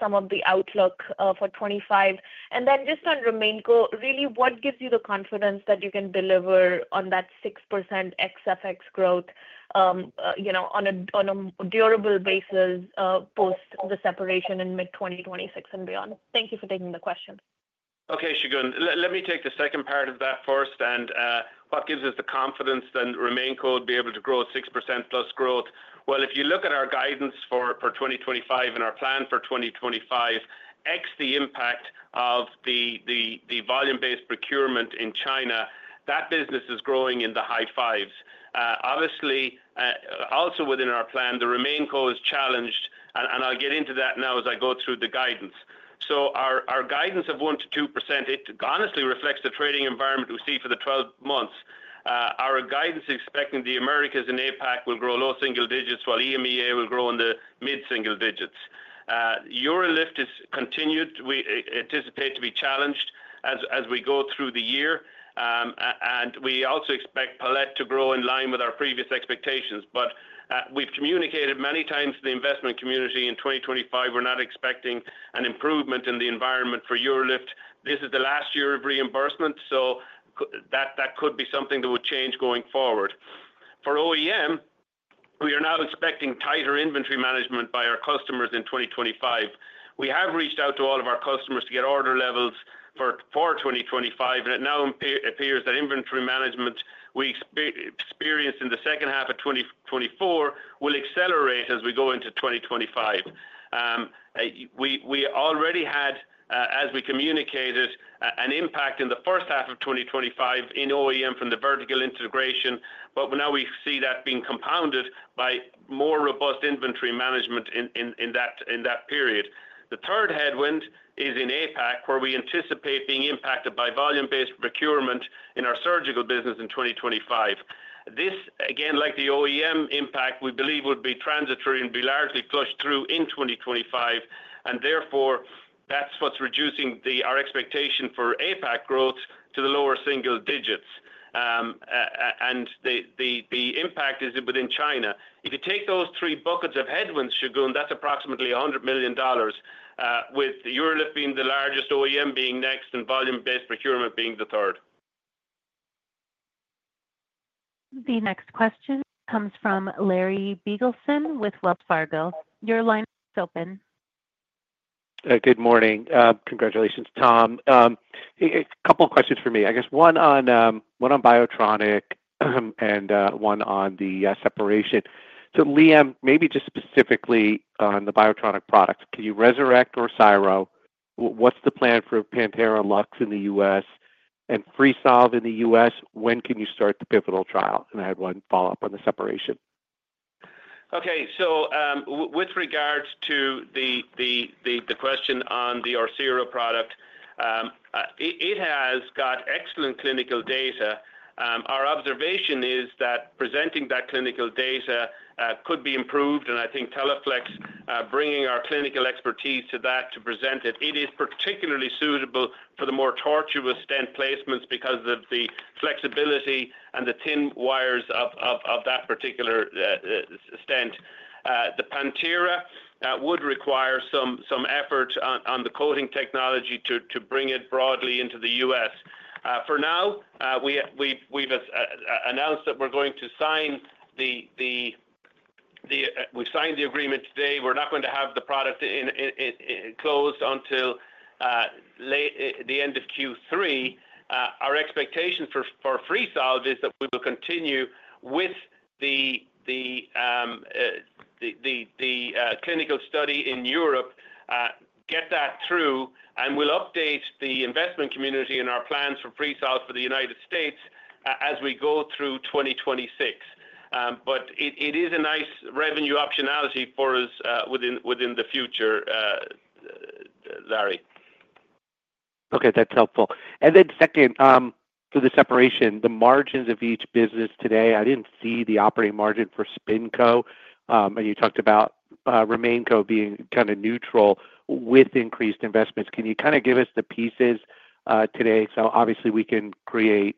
some of the outlook for '25? And then just on RemainCo, really, what gives you the confidence that you can deliver on that 6% ex-FX growth on a durable basis post the separation in mid-2026 and beyond? Thank you for taking the question. Okay, Shagun. Let me take the second part of that first. What gives us the confidence that RemainCo would be able to grow 6% plus growth? Well, if you look at our guidance for 2025 and our plan for 2025, ex the impact of the volume-based procurement in China, that business is growing in the high fives. Obviously, also within our plan, the RemainCo is challenged. I'll get into that now as I go through the guidance. Our guidance of 1%-2%, it honestly reflects the trading environment we see for the 12 months. Our guidance is expecting the Americas and APAC will grow low single digits, while EMEA will grow in the mid-single digits. UroLift continues to be challenged as we go through the year. We also expect Palette to grow in line with our previous expectations. But we've communicated many times to the investment community. In 2025, we're not expecting an improvement in the environment for UroLift. This is the last year of reimbursement, so that could be something that would change going forward. For OEM, we are now expecting tighter inventory management by our customers in 2025. We have reached out to all of our customers to get order levels for 2025. And it now appears that inventory management we experienced in the second half of 2024 will accelerate as we go into 2025. We already had, as we communicated, an impact in the first half of 2025 in OEM from the vertical integration, but now we see that being compounded by more robust inventory management in that period. The third headwind is in APAC, where we anticipate being impacted by volume-based procurement in our surgical business in 2025. This, again, like the OEM impact, we believe would be transitory and be largely pushed through in 2025. And therefore, that's what's reducing our expectation for APAC growth to the lower single digits. And the impact is within China. If you take those three buckets of headwinds, Shagun, that's approximately $100 million, with UroLift being the largest, OEM being next, and volume-based procurement being the third. The next question comes from Larry Biegelsen with Wells Fargo. Your line is open. Good morning. Congratulations, Tom. A couple of questions for me. I guess one on Biotronik and one on the separation. So Liam, maybe just specifically on the Biotronik products. Can you rescue Orsiro? What's the plan for Pantera Lux in the U.S. and Freesolve in the U.S.? When can you start the pivotal trial? And I had one follow-up on the separation. Okay. With regards to the question on the Orsiro product, it has got excellent clinical data. Our observation is that presenting that clinical data could be improved. I think Teleflex, bringing our clinical expertise to that to present it, it is particularly suitable for the more tortuous stent placements because of the flexibility and the thin wires of that particular stent. The Pantera would require some effort on the coating technology to bring it broadly into the US. For now, we've announced that we've signed the agreement today. We're not going to have the deal closed until the end of Q3. Our expectation for Freesolve is that we will continue with the clinical study in Europe, get that through, and we'll update the investment community and our plans for Freesolve for the United States as we go through 2026. But it is a nice revenue optionality for us within the future, Larry. Okay, that's helpful. And then second, to the separation, the margins of each business today, I didn't see the operating margin for SpinCo, and you talked about RemainCo being kind of neutral with increased investments. Can you kind of give us the pieces today? So obviously, we can create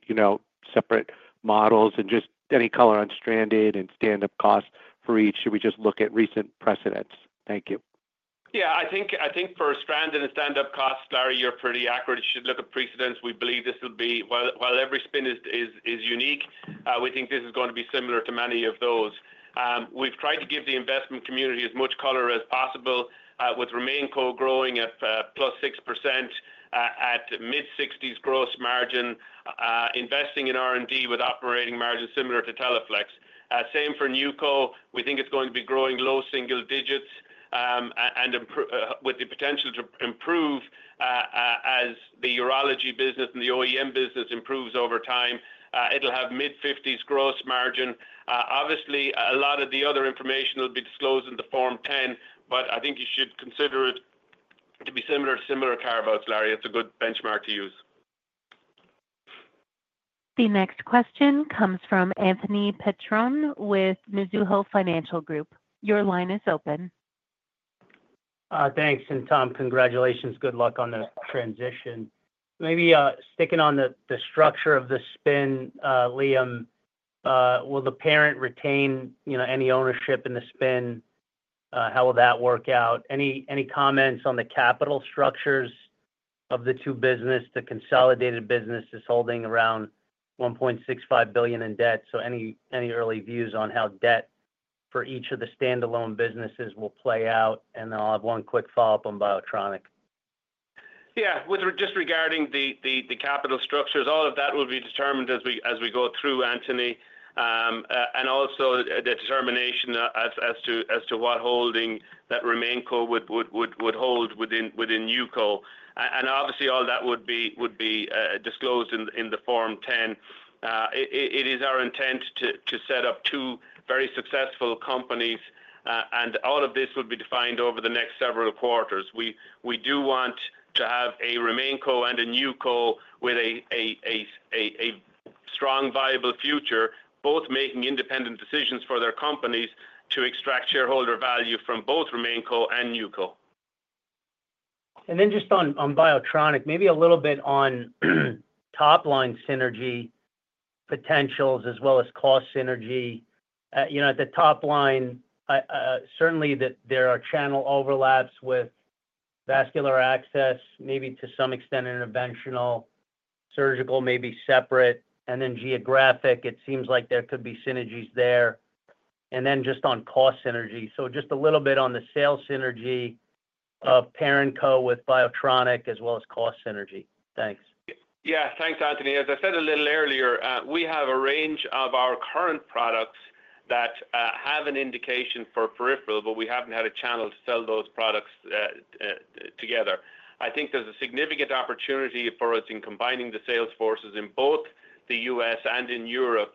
separate models and just any color on stranded and stand-up costs for each. Should we just look at recent precedents? Thank you. Yeah, I think for stranded and stand-up costs, Larry, you're pretty accurate. You should look at precedents. We believe this will be while every spin is unique, we think this is going to be similar to many of those. We've tried to give the investment community as much color as possible with RemainCo growing at +6% at mid-60s gross margin, investing in R&D with operating margin similar to Teleflex. Same for NewCo. We think it's going to be growing low single digits and with the potential to improve as the urology business and the OEM business improves over time. It'll have mid-50s gross margin. Obviously, a lot of the other information will be disclosed in the Form 10, but I think you should consider it to be similar to similar carve-outs, Larry. It's a good benchmark to use. The next question comes from Anthony Petrone with Mizuho Financial Group. Your line is open. Thanks. And Tom, congratulations. Good luck on the transition. Maybe sticking on the structure of the spin, Liam, will the parent retain any ownership in the spin? How will that work out? Any comments on the capital structures of the two businesses? The consolidated business is holding around $1.65 billion in debt. So any early views on how debt for each of the standalone businesses will play out? And then I'll have one quick follow-up on Biotronik. Yeah, just regarding the capital structures, all of that will be determined as we go through, Anthony. And also the determination as to what holding that RemainCo would hold within NewCo. And obviously, all that would be disclosed in the Form 10. It is our intent to set up two very successful companies. And all of this would be defined over the next several quarters. We do want to have a RemainCo and a NewCo with a strong, viable future, both making independent decisions for their companies to extract shareholder value from both RemainCo and NewCo. And then just on Biotronik, maybe a little bit on top-line synergy potentials as well as cost synergy. At the top line, certainly there are channel overlaps with vascular access, maybe to some extent interventional, surgical, maybe separate. And then geographic, it seems like there could be synergies there. And then just on cost synergy. So just a little bit on the sales synergy of ParentCo with Biotronik as well as cost synergy. Thanks. Yeah, thanks, Anthony. As I said a little earlier, we have a range of our current products that have an indication for peripheral, but we haven't had a channel to sell those products together. I think there's a significant opportunity for us in combining the sales forces in both the U.S. and in Europe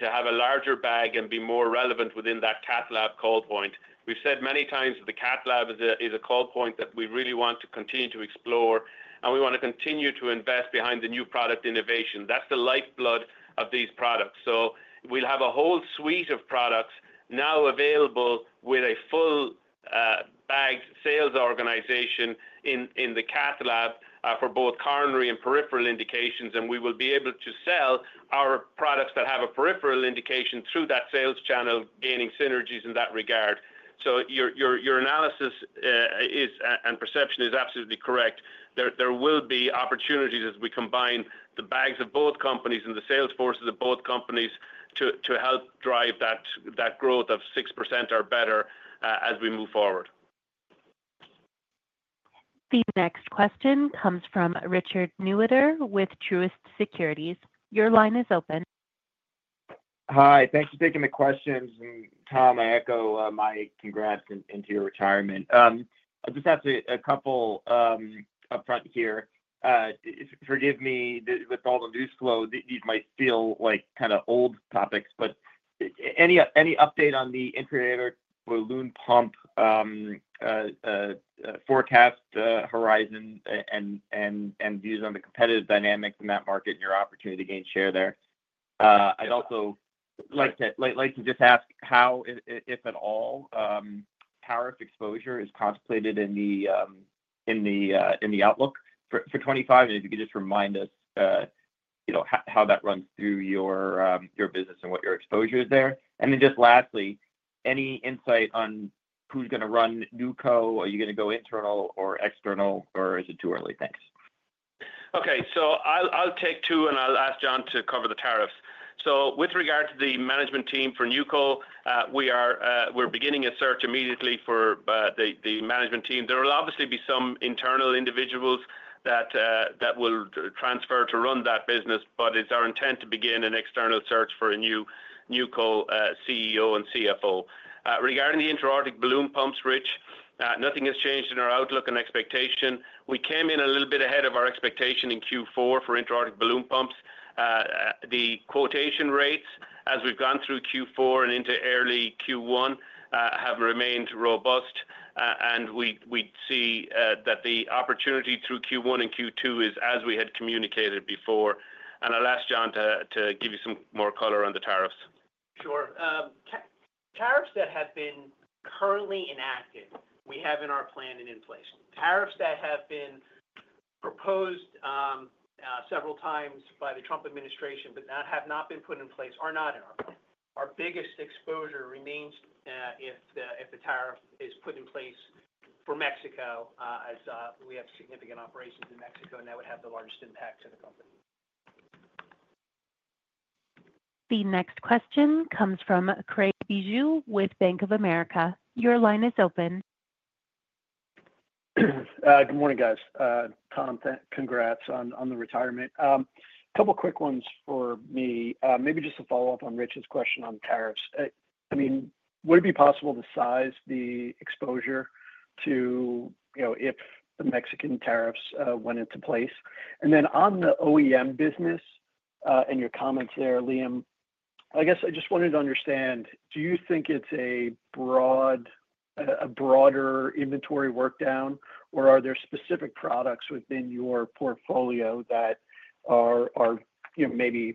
to have a larger bag and be more relevant that cath lab call point. We've said many times that cath lab is a foothold that we really want to continue to explore, and we want to continue to invest behind the new product innovation. That's the lifeblood of these products. So we'll have a whole suite of products now available with a full-bagged sales organization the cath lab for both coronary and peripheral indications. And we will be able to sell our products that have a peripheral indication through that sales channel, gaining synergies in that regard. So your analysis and perception is absolutely correct. There will be opportunities as we combine the bags of both companies and the sales forces of both companies to help drive that growth of 6% or better as we move forward. The next question comes from Richard Newitter with Truist Securities. Your line is open. Hi. Thanks for taking the questions. And Tom, I echo my congrats into your retirement. I just have a couple upfront here. Forgive me, with all the news flow, these might feel like kind of old topics, but any update on the intra-aortic balloon pump forecast horizon and views on the competitive dynamics in that market and your opportunity to gain share there? I'd also like to just ask how, if at all, tariff exposure is contemplated in the outlook for 2025. And if you could just remind us how that runs through your business and what your exposure is there. And then just lastly, any insight on who's going to run NewCo? Are you going to go internal or external, or is it too early? Thanks. Okay. So I'll take two, and I'll ask John to cover the tariffs. So with regard to the management team for NewCo, we're beginning a search immediately for the management team. There will obviously be some internal individuals that will transfer to run that business, but it's our intent to begin an external search for a new NewCo CEO and CFO. Regarding the intra-aortic balloon pumps, Rich, nothing has changed in our outlook and expectation. We came in a little bit ahead of our expectation in Q4 for intra-aortic balloon pumps. The quotation rates, as we've gone through Q4 and into early Q1, have remained robust. And we see that the opportunity through Q1 and Q2 is, as we had communicated before. And I'll ask John to give you some more color on the tariffs. Sure. Tariffs that have been currently inactive, we have in our plan in inflation. Tariffs that have been proposed several times by the Trump administration but have not been put in place are not in our plan. Our biggest exposure remains if the tariff is put in place for Mexico, as we have significant operations in Mexico, and that would have the largest impact to the company. The next question comes from Craig Bijou with Bank of America. Your line is open. Good morning, guys. Tom, congrats on the retirement. A couple of quick ones for me. Maybe just to follow up on Rich's question on tariffs. I mean, would it be possible to size the exposure to if the Mexican tariffs went into place? And then on the OEM business and your comments there, Liam, I guess I just wanted to understand, do you think it's a broader inventory workdown, or are there specific products within your portfolio that are maybe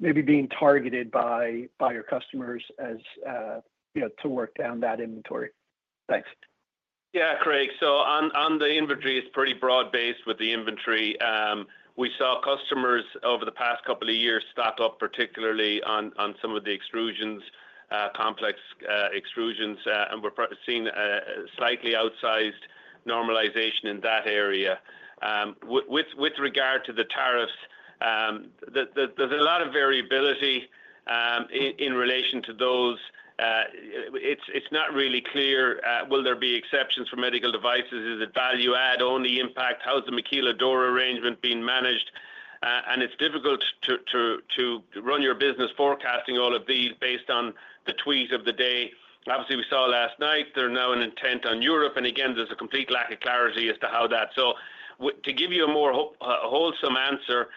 being targeted by your customers to work down that inventory? Thanks. Yeah, Craig. So on the inventory, it's pretty broad-based with the inventory. We saw customers over the past couple of years stack up particularly on some of the extrusions, complex extrusions, and we're seeing a slightly outsized normalization in that area. With regard to the tariffs, there's a lot of variability in relation to those. It's not really clear will there be exceptions for medical devices? Is it value-add only impact? How's the maquiladora arrangement being managed? And it's difficult to run your business forecasting all of these based on the tweet of the day. Obviously, we saw last night there's now an intent on Europe. And again, there's a complete lack of clarity as to how that. So to give you a more wholesome answer,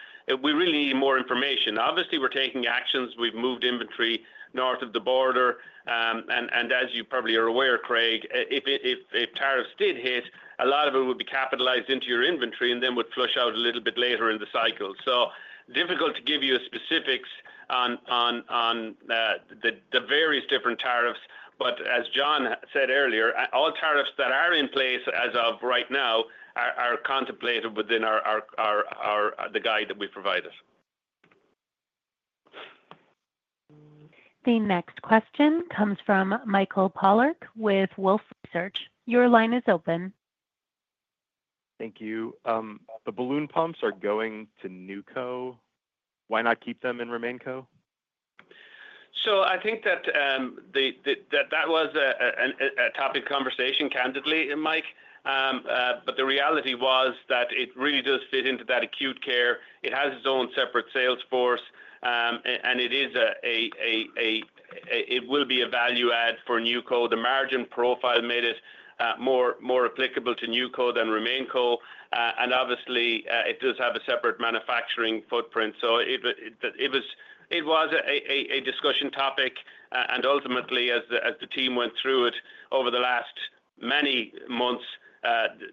we really need more information. Obviously, we're taking actions. We've moved inventory north of the border. And as you probably are aware, Craig, if tariffs did hit, a lot of it would be capitalized into your inventory and then would flush out a little bit later in the cycle. So difficult to give you specifics on the various different tariffs. But as John said earlier, all tariffs that are in place as of right now are contemplated within the guide that we provided. The next question comes from Michael Polark with Wolfe Research. Your line is open. Thank you. The balloon pumps are going to NewCo. Why not keep them in RemainCo? So I think that that was a topic of conversation, candidly, Mike. But the reality was that it really does fit into that acute care. It has its own separate sales force, and it will be a value-add for NewCo. The margin profile made it more applicable to NewCo than RemainCo. And obviously, it does have a separate manufacturing footprint. So it was a discussion topic. And ultimately, as the team went through it over the last many months,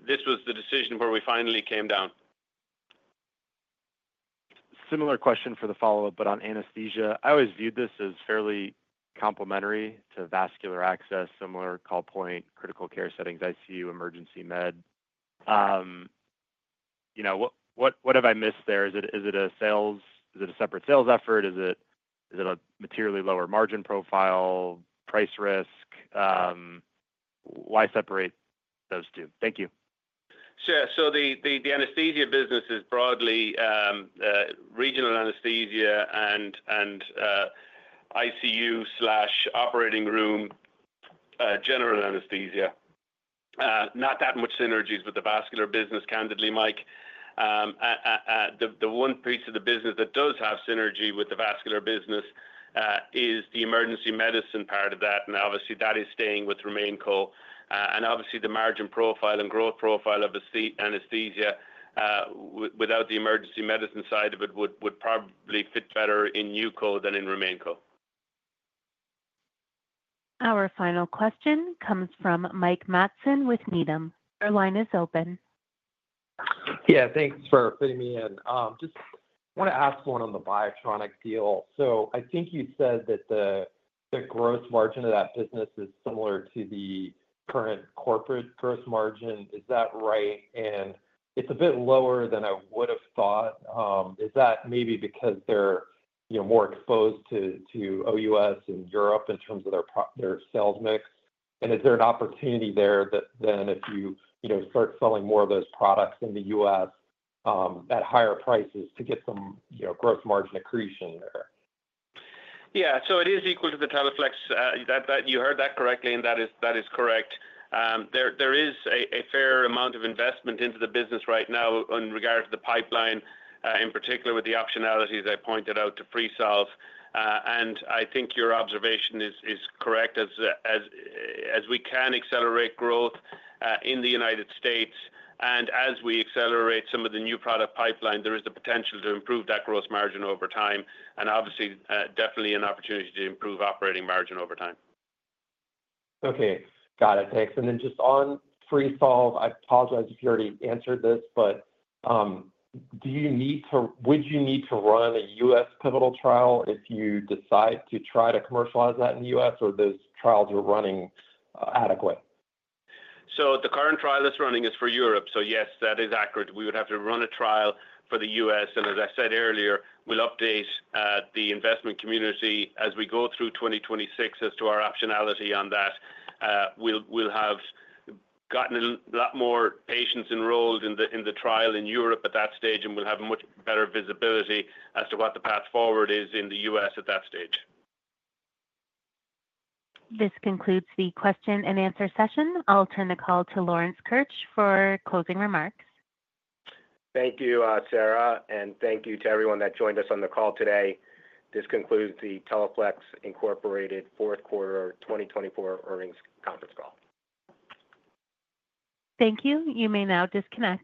this was the decision where we finally came down. Similar question for the follow-up, but on anesthesia. I always viewed this as fairly complementary to vascular access, similar call point, critical care settings, ICU, emergency med. What have I missed there? Is it a separate sales effort? Is it a materially lower margin profile, price risk? Why separate those two? Thank you. Sure. The anesthesia business is broadly regional anesthesia and ICU/operating room general anesthesia. Not that much synergies with the vascular business, candidly, Mike. The one piece of the business that does have synergy with the vascular business is the emergency medicine part of that. And obviously, that is staying with RemainCo. And obviously, the margin profile and growth profile of anesthesia without the emergency medicine side of it would probably fit better in NewCo than in RemainCo. Our final question comes from Mike Matson with Needham. Your line is open. Yeah, thanks for fitting me in. Just want to ask one on the Biotronik deal. So I think you said that the gross margin of that business is similar to the current corporate gross margin. Is that right? And it's a bit lower than I would have thought. Is that maybe because they're more exposed to OUS and Europe in terms of their sales mix? And is there an opportunity there then if you start selling more of those products in the U.S. at higher prices to get some gross margin accretion there? Yeah. So it is equal to the Teleflex. You heard that correctly, and that is correct. There is a fair amount of investment into the business right now in regard to the pipeline, in particular with the optionalities I pointed out to Freesolve. And I think your observation is correct as we can accelerate growth in the United States. And as we accelerate some of the new product pipeline, there is the potential to improve that gross margin over time. And obviously, definitely an opportunity to improve operating margin over time. Okay. Got it. Thanks. And then just on Freesolve, I apologize if you already answered this, but would you need to run a U.S. pivotal trial if you decide to try to commercialize that in the U.S.? Or are those trials you're running adequate? So the current trial that's running is for Europe. So yes, that is accurate. We would have to run a trial for the U.S. And as I said earlier, we'll update the investment community as we go through 2026 as to our optionality on that. We'll have gotten a lot more patients enrolled in the trial in Europe at that stage, and we'll have much better visibility as to what the path forward is in the U.S. at that stage. This concludes the question and answer session. I'll turn the call to Lawrence Keusch for closing remarks. Thank you, Sarah. And thank you to everyone that joined us on the call today. This concludes the Teleflex Incorporated fourth quarter 2024 earnings conference call. Thank you. You may now disconnect.